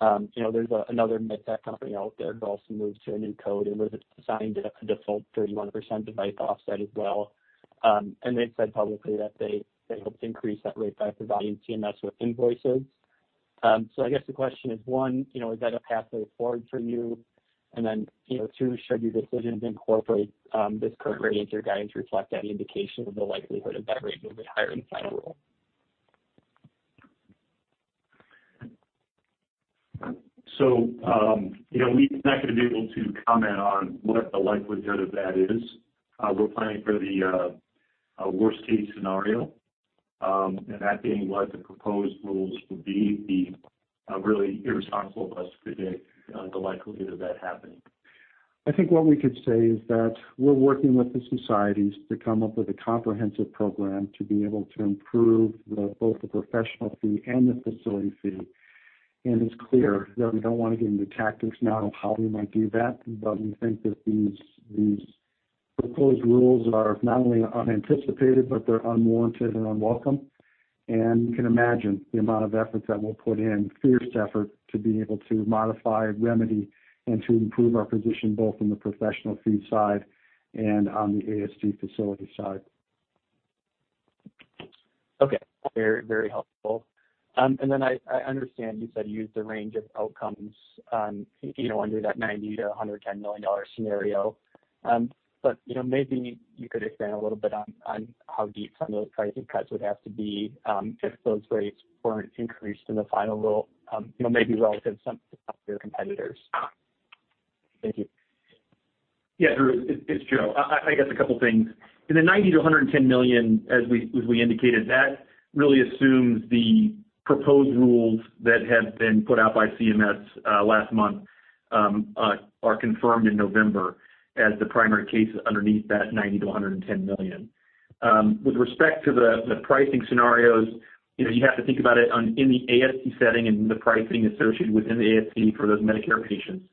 There's another med tech company out there who also moved to a new code and was assigned a default 31% device offset as well. They've said publicly that they hope to increase that rate by providing CMS with invoices. I guess the question is, one, is that a pathway forward for you? Two, should your decisions incorporate this current rate as your guidance reflect any indication of the likelihood of that rate moving higher in the final rule? We're not going to be able to comment on what the likelihood of that is. We're planning for the worst-case scenario, and that being what the proposed rules will be, it would be really irresponsible of us to predict the likelihood of that happening. I think what we could say is that we're working with the societies to come up with a comprehensive program to be able to improve both the professional fee and the facility fee. It's clear that we don't want to get into tactics now of how we might do that. We think that these proposed rules are not only unanticipated, but they're unwarranted and unwelcome. You can imagine the amount of effort that we'll put in, fierce effort, to be able to modify, remedy, and to improve our position, both on the professional fee side and on the ASC facility side. Okay. Very helpful. I understand you said you used a range of outcomes under that $90 million-$110 million scenario. Maybe you could expand a little bit on how deep some of those pricing cuts would have to be if those rates weren't increased in the final rule, maybe relative to some of your competitors. Thank you. Yeah, Drew, it's Joe. I guess a couple of things. In the $90 million-$110 million, as we indicated, that really assumes the proposed rules that have been put out by CMS last month are confirmed in November as the primary case underneath that $90 million-$110 million. With respect to the pricing scenarios, you have to think about it in the ASC setting and the pricing associated within the ASC for those Medicare patients.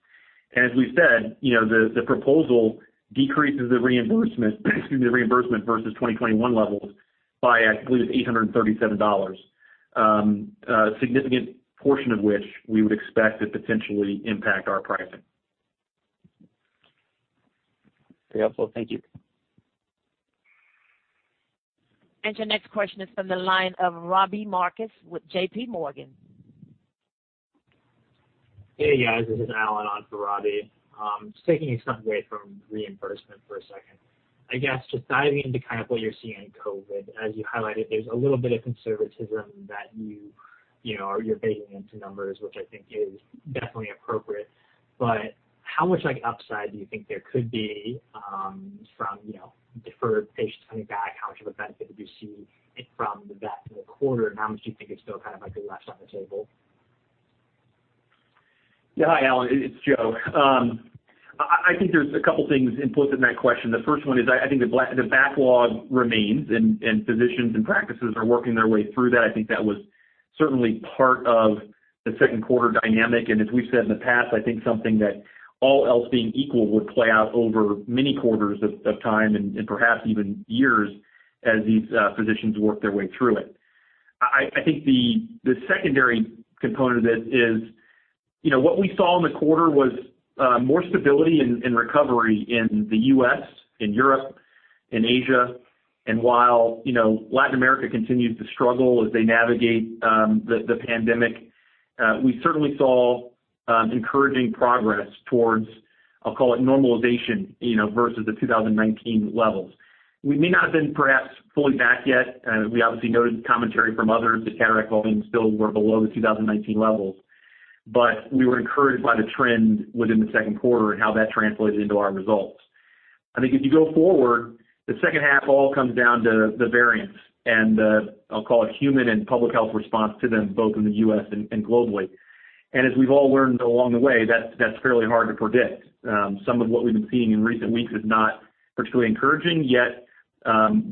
As we've said, the proposal decreases the reimbursement versus 2021 levels by, I believe, it's $837. A significant portion of which we would expect to potentially impact our pricing. Very helpful. Thank you. Your next question is from the line of Robbie Marcus with JPMorgan. Hey, guys, this is Alan on for Robbie. Just taking a step away from reimbursement for a second. I guess just diving into kind of what you're seeing in COVID, as you highlighted, there's a little bit of conservatism that you're baking into numbers, which I think is definitely appropriate. How much upside do you think there could be from deferred patients coming back? How much of a benefit do you see from that in the quarter, and how much do you think is still left on the table? Yeah. Hi, Alan. It's Joe. I think there's a couple things implicit in that question. The first one is, I think the backlog remains, and physicians and practices are working their way through that. I think that was certainly part of the second quarter dynamic. As we've said in the past, I think something that all else being equal would play out over many quarters of time and perhaps even years as these physicians work their way through it. I think the secondary component of this is what we saw in the quarter was more stability and recovery in the U.S., in Europe, in Asia. While Latin America continues to struggle as they navigate the pandemic, we certainly saw encouraging progress towards, I'll call it normalization, versus the 2019 levels. We may not have been perhaps fully back yet. We obviously noted the commentary from others that cataract volumes still were below the 2019 levels. We were encouraged by the trend within the second quarter and how that translated into our results. I think if you go forward, the second half all comes down to the variants and the, I'll call it human and public health response to them oth in the U.S. and globally. As we've all learned along the way, that's fairly hard to predict. Some of what we've been seeing in recent weeks is not particularly encouraging, yet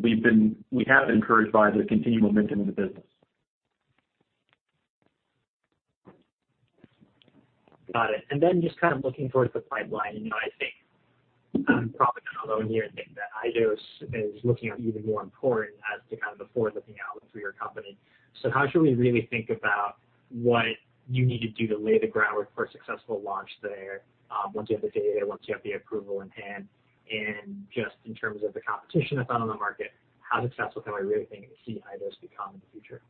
we have been encouraged by the continued momentum of the business. Got it. Just kind of looking towards the pipeline, I think probably not alone here in thinking that iDose is looking even more important as to kind of the forward-looking outlook for your company. How should we really think about what you need to do to lay the groundwork for a successful launch there once you have the data, once you have the approval in hand? Just in terms of the competition that's out on the market, how successful can we really think to see iDose become in the future?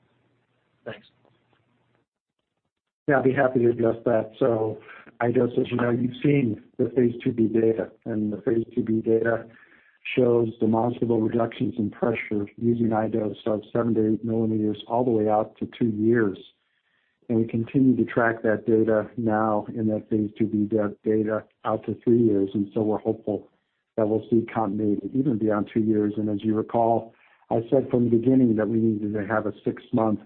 Thanks. Yeah, I'd be happy to address that. iDose, as you know, you've seen the phase II-B data, the phase II-B data shows demonstrable reductions in pressure using iDose of seven to eight millimeters all the way out to two years. We continue to track that data now in that phase II-B data out to three years. We're hopeful that we'll see continuity even beyond two years. As you recall, I said from the beginning that we needed to have a six-month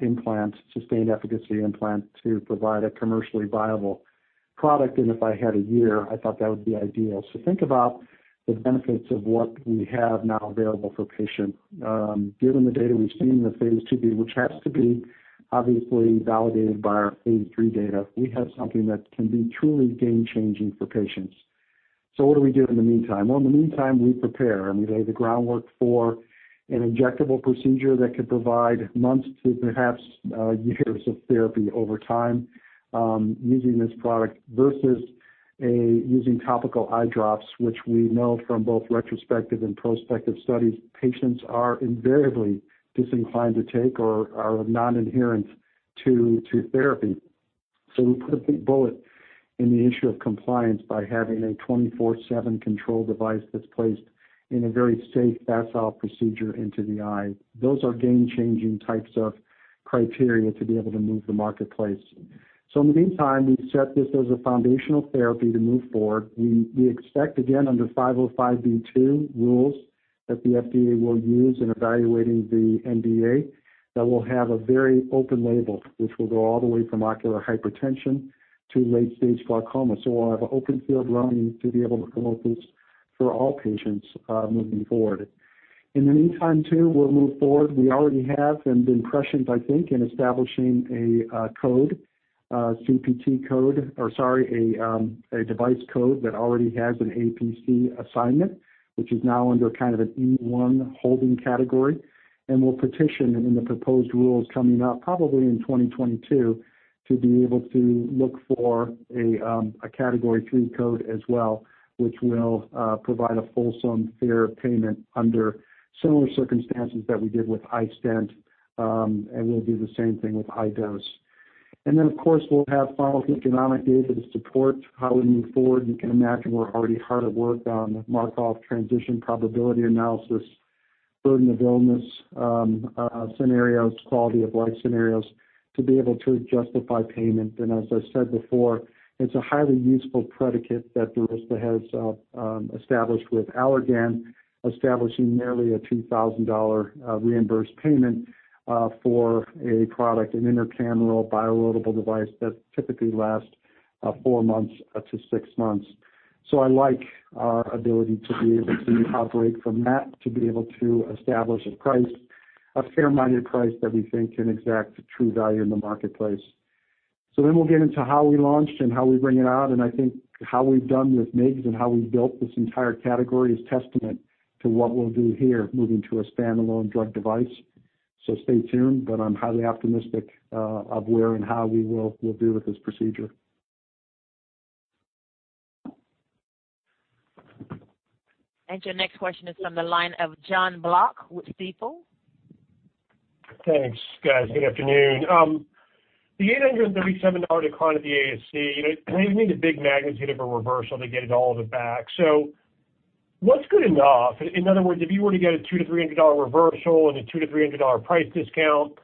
implant, sustained efficacy implant to provide a commercially viable product. If I had one year, I thought that would be ideal. Think about the benefits of what we have now available for patients. Given the data we've seen in the phase II-B, which has to be obviously validated by our phase III data, we have something that can be truly game changing for patients. What do we do in the meantime? Well, in the meantime, we prepare and we lay the groundwork for an injectable procedure that could provide months to perhaps years of therapy over time using this product versus using topical eye drops, which we know from both retrospective and prospective studies, patients are invariably disinclined to take or are non-adherent to therapy. We put a big bullet in the issue of compliance by having a 24/7 control device that's placed in a very safe, facile procedure into the eye. Those are game changing types of criteria to be able to move the marketplace. In the meantime, we've set this as a foundational therapy to move forward. We expect, again, under 505(b)(2) rules that the FDA will use in evaluating the NDA that will have a very open label, which will go all the way from ocular hypertension to late-stage glaucoma. We'll have an open field running to be able to promote this for all patients moving forward. In the meantime, too, we'll move forward. We already have had impressions, I think, in establishing a code, a device code that already has an APC assignment, which is now under kind of an E1 holding category. We'll petition in the proposed rules coming out probably in 2022 to be able to look for a Category III code as well, which will provide a fulsome fair payment under similar circumstances that we did with iStent, and we'll do the same thing with iDose. Of course, we'll haves follow-up economic data to support how we move forward. You can imagine we're already hard at work on the Markov transition probability analysis, burden of illness scenarios, quality of life scenarios to be able to justify payment. As I said before, it's a highly useful predicate that DURYSTA has established with Allergan, establishing nearly a $2,000 reimbursed payment for a product, an intracameral biodegradable device that typically lasts four months to six months. I like our ability to be able to operate from that to be able to establish a price, a fair-minded price that we think can exact true value in the marketplace. We'll get into how we launched and how we bring it out, and I think how we've done with MIGS and how we've built this entire category is testament to what we'll do here, moving to a standalone drug device. Stay tuned, but I'm highly optimistic of where and how we will do with this procedure. Your next question is from the line of Jonathan Block with Stifel. Thanks, guys. Good afternoon. The $837 decline of the ASC, it would need a big magnitude of a reversal to get it all the back. What's good enough? In other words, if you were to get a $200-$300 reversal and a $200-$300 price discount,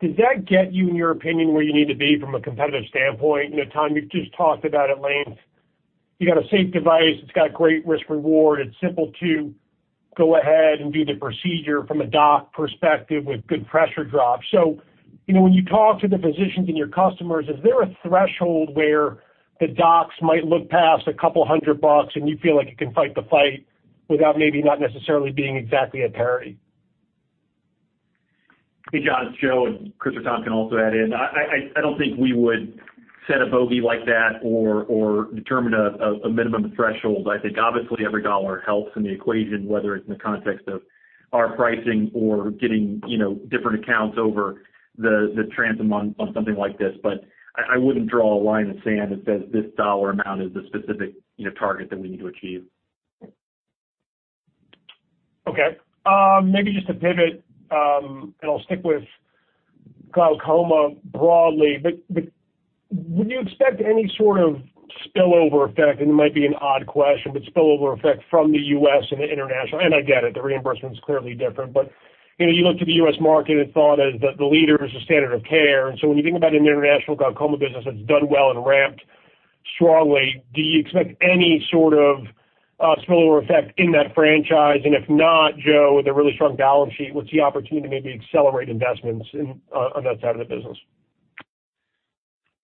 does that get you, in your opinion, where you need to be from a competitive standpoint? Tom, you've just talked about at length, you got a safe device. It's got great risk/reward. It's simple to go ahead and do the procedure from a doc perspective with good pressure drops. When you talk to the physicians and your customers, is there a threshold where the docs might look past a couple hundred bucks and you feel like you can fight the fight without maybe not necessarily being exactly at parity? Hey, John, it's Joe. Chris and Tom can also add in. I don't think we would set a bogey like that or determine a minimum threshold. I think obviously every dollar helps in the equation, whether it's in the context of our pricing or getting different accounts over the transom on something like this. I wouldn't draw a line in the sand that says this dollar amount is the specific target that we need to achieve. Okay. Maybe just to pivot, and I'll stick with glaucoma broadly, but would you expect any sort of spillover effect, and it might be an odd question, but spillover effect from the U.S. and the international? I get it, the reimbursement is clearly different. You look to the U.S. market and thought as the leader as the standard of care. When you think about an international glaucoma business that's done well and ramped strongly, do you expect any sort of spillover effect in that franchise? If not, Joe, with a really strong balance sheet, what's the opportunity to maybe accelerate investments on that side of the business?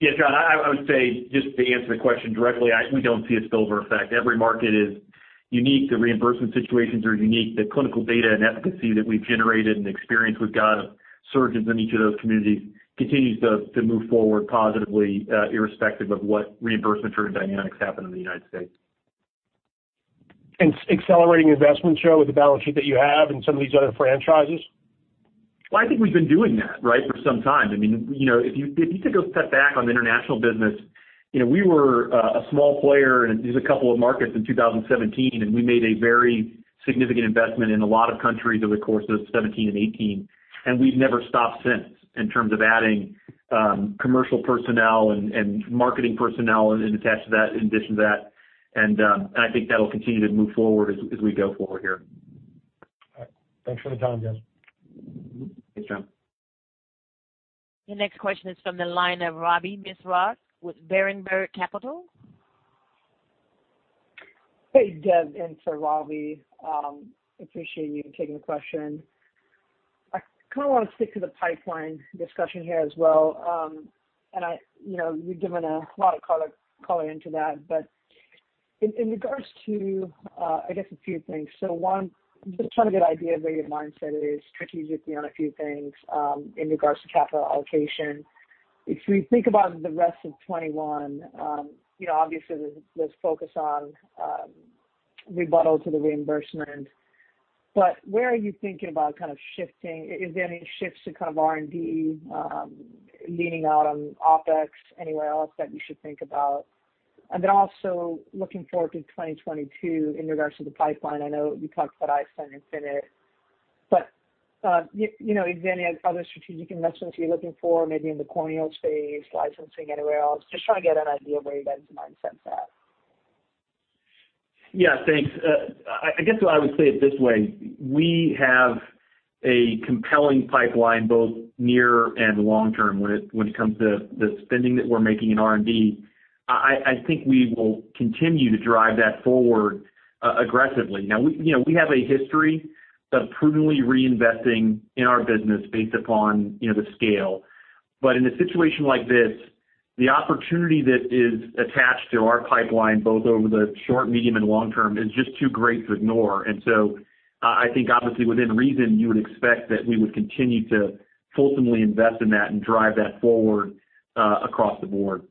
Yeah, John, I would say, just to answer the question directly, we don't see a spillover effect. Every market is unique. The reimbursement situations are unique. The clinical data and efficacy that we've generated and experience we've got of surgeons in each of those communities continues to move forward positively, irrespective of what reimbursement or dynamics happen in the U.S. Accelerating investment, Joe, with the balance sheet that you have in some of these other franchises? Well, I think we've been doing that, right, for some time. If you take a step back on the international business, we were a small player in just two markets in 2017, and we made a very significant investment in a lot of countries over the course of 2017 and 2018. We've never stopped since in terms of adding commercial personnel and marketing personnel in addition to that. I think that'll continue to move forward as we go forward here. All right. Thanks for the time, guys. Thanks, John. Your next question is from the line of Ravi Misra with Berenberg Capital. Hey, Dev, on for Ravi. Appreciate you taking the question. I kind of want to stick to the pipeline discussion here as well. You've given a lot of color into that. In regards to, I guess, a few things. 1, I'm just trying to get an idea of where your mindset is strategically on a few things in regards to capital allocation. If we think about the rest of 2021, obviously there's focus on rebuttal to the reimbursement. Where are you thinking about kind of shifting? Is there any shifts to kind of R&D, leaning out on OpEx, anywhere else that we should think about? Also looking forward to 2022 in regards to the pipeline. I know you talked about iStent Infinite. Is there any other strategic investments you're looking for, maybe in the corneal space, licensing anywhere else? Just trying to get an idea of where your guys' mindset's at. Yeah, thanks. I guess I would say it this way. We have a compelling pipeline, both near and long-term, when it comes to the spending that we're making in R&D. I think we will continue to drive that forward aggressively. Now, we have a history of prudently reinvesting in our business based upon the scale. In a situation like this, the opportunity that is attached to our pipeline, both over the short, medium, and long term, is just too great to ignore. Obviously within reason, you would expect that we would continue to fulsomely invest in that and drive that forward across the board.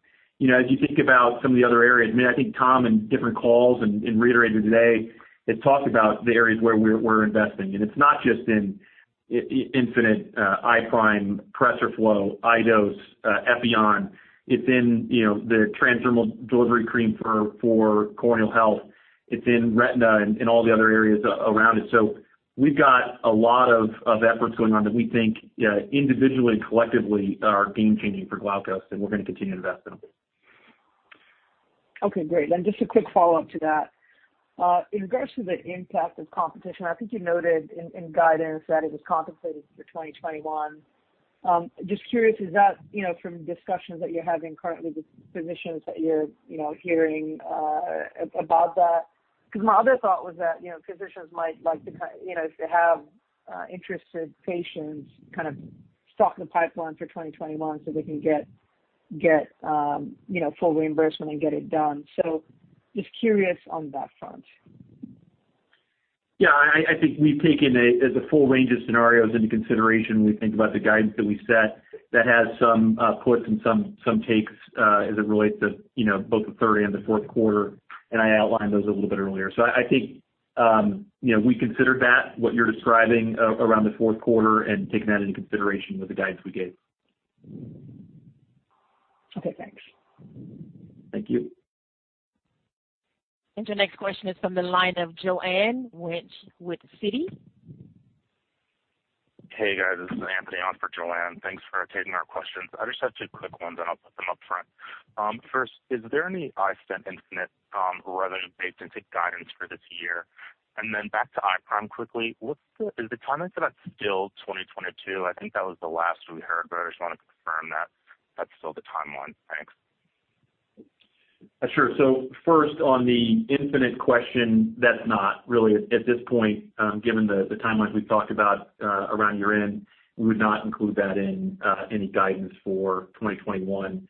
As you think about some of the other areas, I think Tom in different calls and reiterated today, had talked about the areas where we're investing. It's not just in iStent infinite, iStent, PRESERFLO, iDose, Epi-on. It's in the transdermal delivery cream for corneal health. It's in retina and all the other areas around it. We've got a lot of efforts going on that we think individually and collectively are game changing for Glaukos, and we're going to continue to invest in them. Okay, great. Just a quick follow-up to that. In regards to the impact of competition, I think you noted in guidance that it was contemplated for 2021. Just curious, is that from discussions that you're having currently with physicians that you're hearing about that? My other thought was that physicians might like to, if they have interested patients, kind of stock the pipeline for 2021 so they can get full reimbursement and get it done. Just curious on that front. Yeah, I think we've taken the full range of scenarios into consideration when we think about the guidance that we set that has some puts and some takes as it relates to both the third and the fourth quarter, and I outlined those a little bit earlier. I think we considered that, what you're describing around the fourth quarter, and taking that into consideration with the guidance we gave. Okay, thanks. Thank you. Your next question is from the line of Joanne Wuensch with Citi. Hey, guys. This is Anthony on for Joanne. Thanks for taking our questions. I just have two quick ones, and I'll put them upfront. First, is there any iStent infinite revenue baked into guidance for this year? Back to iPRIME quickly, is the timeline for that still 2022? I think that was the last we heard, but I just want to confirm that's still the timeline. Thanks. Sure. First, on the iStent infinite question, that's not really at this point given the timelines we've talked about around year-end. We would not include that in any guidance for 2021.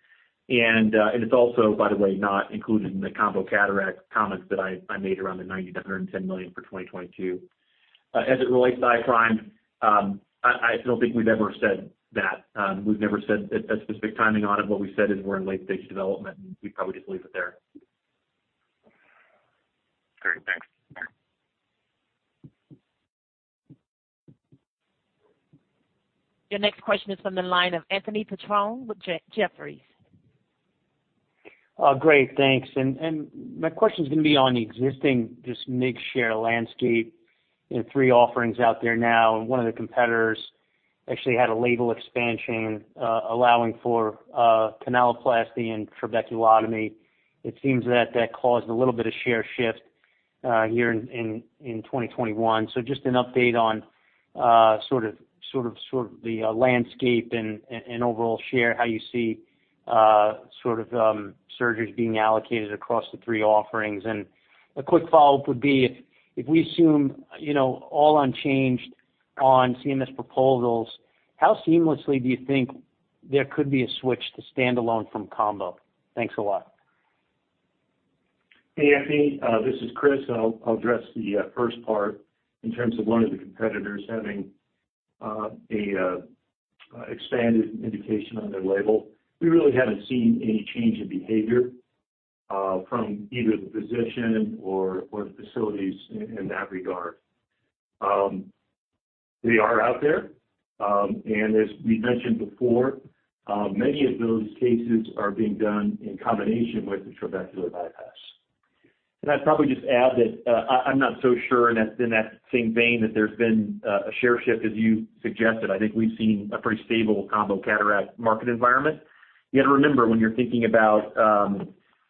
It's also, by the way, not included in the combo cataract comments that I made around the $910 million for 2022. As it relates to iPRIME, I don't think we've ever said that. We've never said a specific timing on it. What we said is we're in late-stage development, and we'd probably just leave it there. Great. Thanks. Your next question is from the line of Anthony Petrone with Jefferies. Great, thanks. My question's going to be on the existing just MIGS share landscape. Three offerings out there now. One of the competitors actually had a label expansion allowing for canaloplasty and trabeculotomy. It seems that caused a little bit of share shift here in 2021. Just an update on sort of the landscape and overall share, how you see sort of surgeries being allocated across the three offerings? A quick follow-up would be if we assume all unchanged on CMS proposals, how seamlessly do you think there could be a switch to standalone from combo? Thanks a lot. Hey, Anthony. This is Chris. I'll address the first part in terms of one of the competitors having an expanded indication on their label. We really haven't seen any change in behavior from either the physician or the facilities in that regard. They are out there, and as we mentioned before, many of those cases are being done in combination with the trabecular bypass. I'd probably just add that I'm not so sure in that same vein that there's been a share shift as you suggested. I think we've seen a pretty stable combo cataract market environment. You have to remember when you're thinking about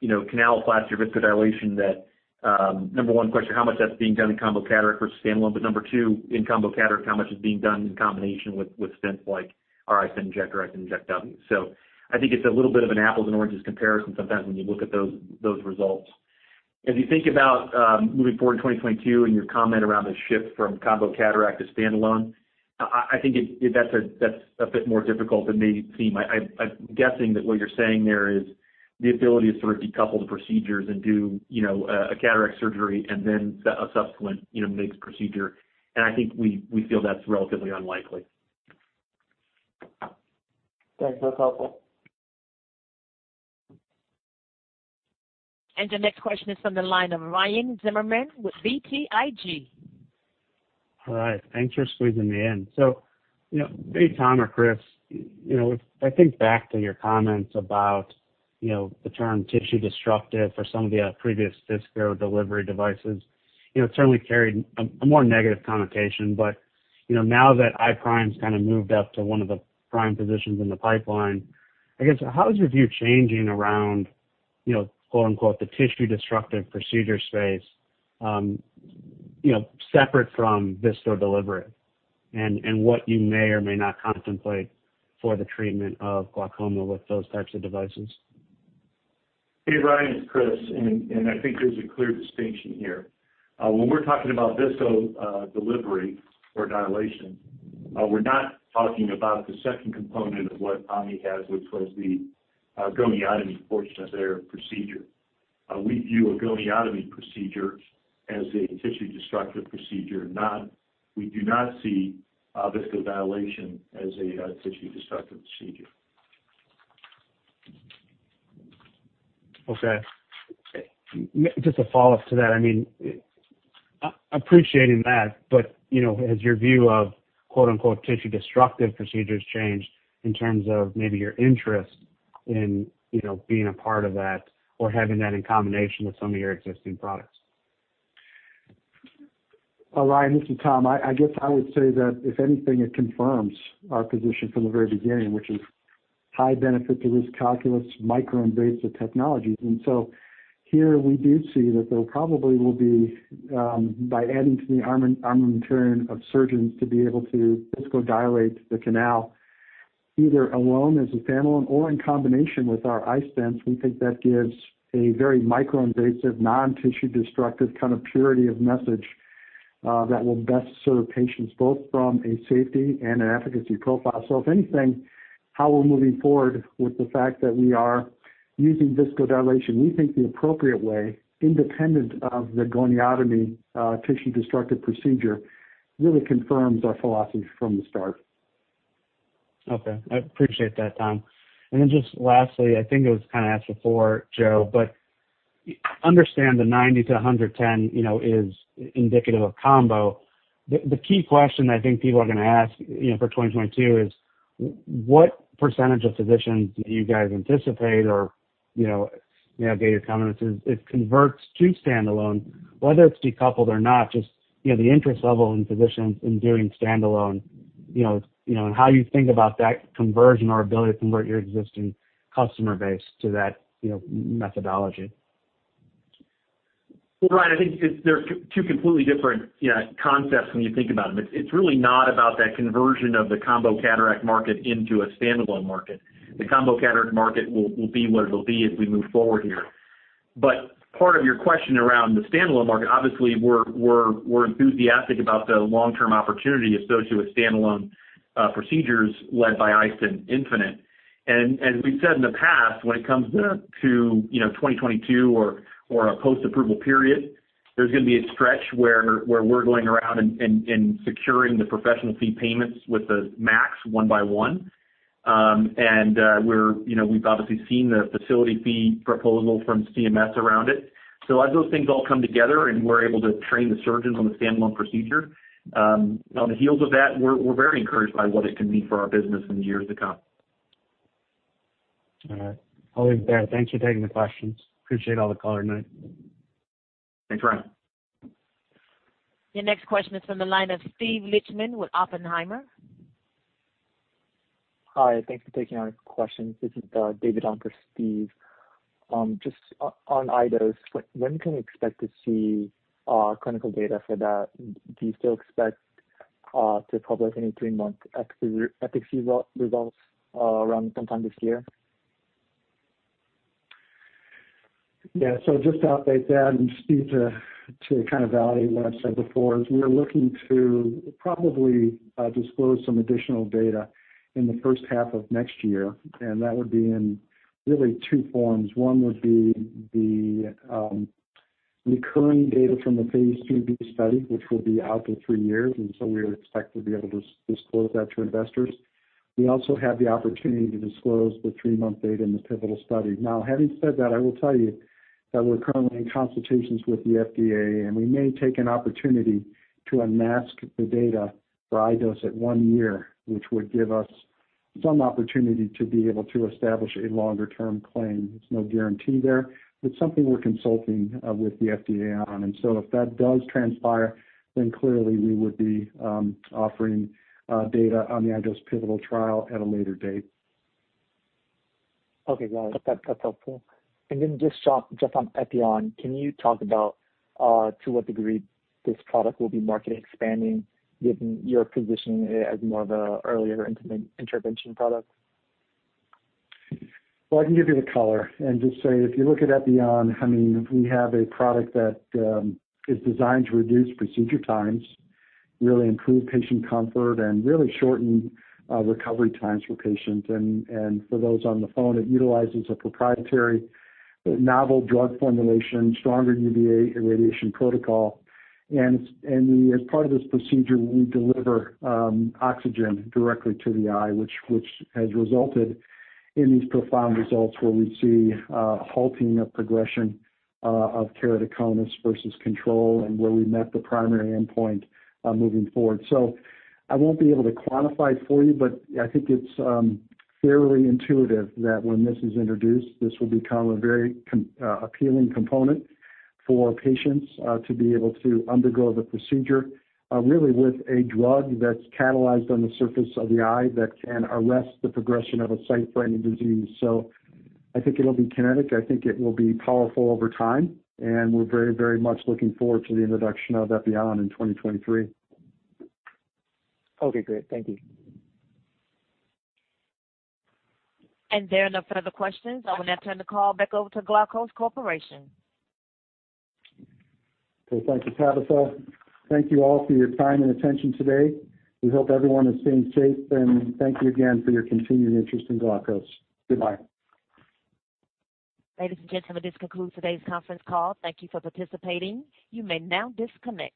canaloplasty or viscodilation that number 1 question, how much that's being done in combo cataract versus standalone. Number 2, in combo cataract, how much is being done in combination with stents like our iStent inject or iStent inject W. I think it's a little bit of an apples and oranges comparison sometimes when you look at those results. As you think about moving forward in 2022 and your comment around the shift from combo cataract to standalone, I think that's a bit more difficult than may seem. I'm guessing that what you're saying there is the ability to sort of decouple the procedures and do a cataract surgery and then a subsequent MIGS procedure. I think we feel that's relatively unlikely. Thanks. That was helpful. The next question is from the line of Ryan Zimmerman with BTIG. All right. Thanks for squeezing me in. Be it Tom or Chris, I think back to your comments about the term tissue-destructive for some of the previous viscodelivery devices. Certainly carried a more negative connotation. Now that iPRIME's kind of moved up to one of the prime positions in the pipeline, I guess how is your view changing around "the tissue-destructive procedure space," separate from viscodelivery and what you may or may not contemplate for the treatment of glaucoma with those types of devices? Hey, Ryan. It's Chris. I think there's a clear distinction here. When we're talking about ViscoDelivery or dilation, we're not talking about the second component of what OMNI has, which was the goniotomy portion of their procedure. We view a goniotomy procedure as a tissue-destructive procedure. We do not see viscodilation as a tissue-destructive procedure. Okay. Just a follow-up to that. Appreciating that, has your view of "tissue-destructive procedures" changed in terms of maybe your interest in being a part of that or having that in combination with some of your existing products? Ryan, this is Tom. I guess I would say that if anything, it confirms our position from the very beginning, which is high benefit to risk calculus, microinvasive technologies. Here we do see that there probably will be by adding to the armamentarium of surgeons to be able to viscodilate the canal, either alone as a standalone or in combination with our iStents. We think that gives a very microinvasive, non-tissue destructive kind of purity of message that will best serve patients both from a safety and an efficacy profile. If anything, how we're moving forward with the fact that we are using viscodilation, we think the appropriate way, independent of the goniotomy tissue-destructive procedure, really confirms our philosophy from the start. Okay. I appreciate that, Tom. Just lastly, I think it was kind of asked before, Joe, but understand the 90-110 is indicative of combo. The key question I think people are going to ask for 2022 is what % of physicians do you guys anticipate or data coming into it converts to standalone, whether it's decoupled or not, just the interest level in physicians in doing standalone, and how you think about that conversion or ability to convert your existing customer base to that methodology. Well, Ryan, I think they're two completely different concepts when you think about them. It's really not about that conversion of the combo cataract market into a standalone market. The combo cataract market will be what it'll be as we move forward here. Part of your question around the standalone market, obviously, we're enthusiastic about the long-term opportunity associated with standalone procedures led by iStent Infinite. As we've said in the past, when it comes to 2022 or a post-approval period, there's going to be a stretch where we're going around and securing the professional fee payments with the MACs one by one. We've obviously seen the facility fee proposal from CMS around it. As those things all come together and we're able to train the surgeons on the standalone procedure, on the heels of that, we're very encouraged by what it can mean for our business in years to come. All right. Always there. Thanks for taking the questions. Appreciate all the color, mate. Thanks, Ryan. Your next question is from the line of Steve Lichtman with Oppenheimer. Hi, thanks for taking our questions. This is David on for Steve. Just on iDose, when can we expect to see clinical data for that? Do you still expect to publish any three-month efficacy results around sometime this year? Just to update that and Steve to kind of validate what I've said before, is we are looking to probably disclose some additional data in the first half of next year, and that would be in really 2 forms. 1 would be the recurring data from the phase IIb study, which will be out in 3 years, we would expect to be able to disclose that to investors. We also have the opportunity to disclose the 3-month data in the pivotal study. Having said that, I will tell you that we're currently in consultations with the FDA, we may take an opportunity to unmask the data for iDose at 1 year, which would give us some opportunity to be able to establish a longer-term claim. There's no guarantee there. It's something we're consulting with the FDA on. If that does transpire, then clearly we would be offering data on the iDose pivotal trial at a later date. Okay, got it. That's helpful. Just on Epioxa, can you talk about to what degree this product will be market expanding given you're positioning it as more of a earlier intervention product? Well, I can give you the color and just say, if you look at Epioxa, I mean, we have a product that is designed to reduce procedure times, really improve patient comfort, and really shorten recovery times for patients. For those on the phone, it utilizes a proprietary novel drug formulation, stronger UVA irradiation protocol. As part of this procedure, we deliver oxygen directly to the eye, which has resulted in these profound results where we see a halting of progression of keratoconus versus control and where we met the primary endpoint moving forward. I won't be able to quantify it for you, but I think it's fairly intuitive that when this is introduced, this will become a very appealing component for patients to be able to undergo the procedure, really with a drug that's catalyzed on the surface of the eye that can arrest the progression of a sight-threatening disease. I think it'll be kinetic. I think it will be powerful over time, and we're very much looking forward to the introduction of Epioxa in 2023. Okay, great. Thank you. There are no further questions. I will now turn the call back over to Glaukos Corporation. Okay, thank you, Tabitha. Thank you all for your time and attention today. We hope everyone is staying safe. Thank you again for your continued interest in Glaukos. Goodbye. Ladies and gentlemen, this concludes today's conference call. Thank you for participating. You may now disconnect.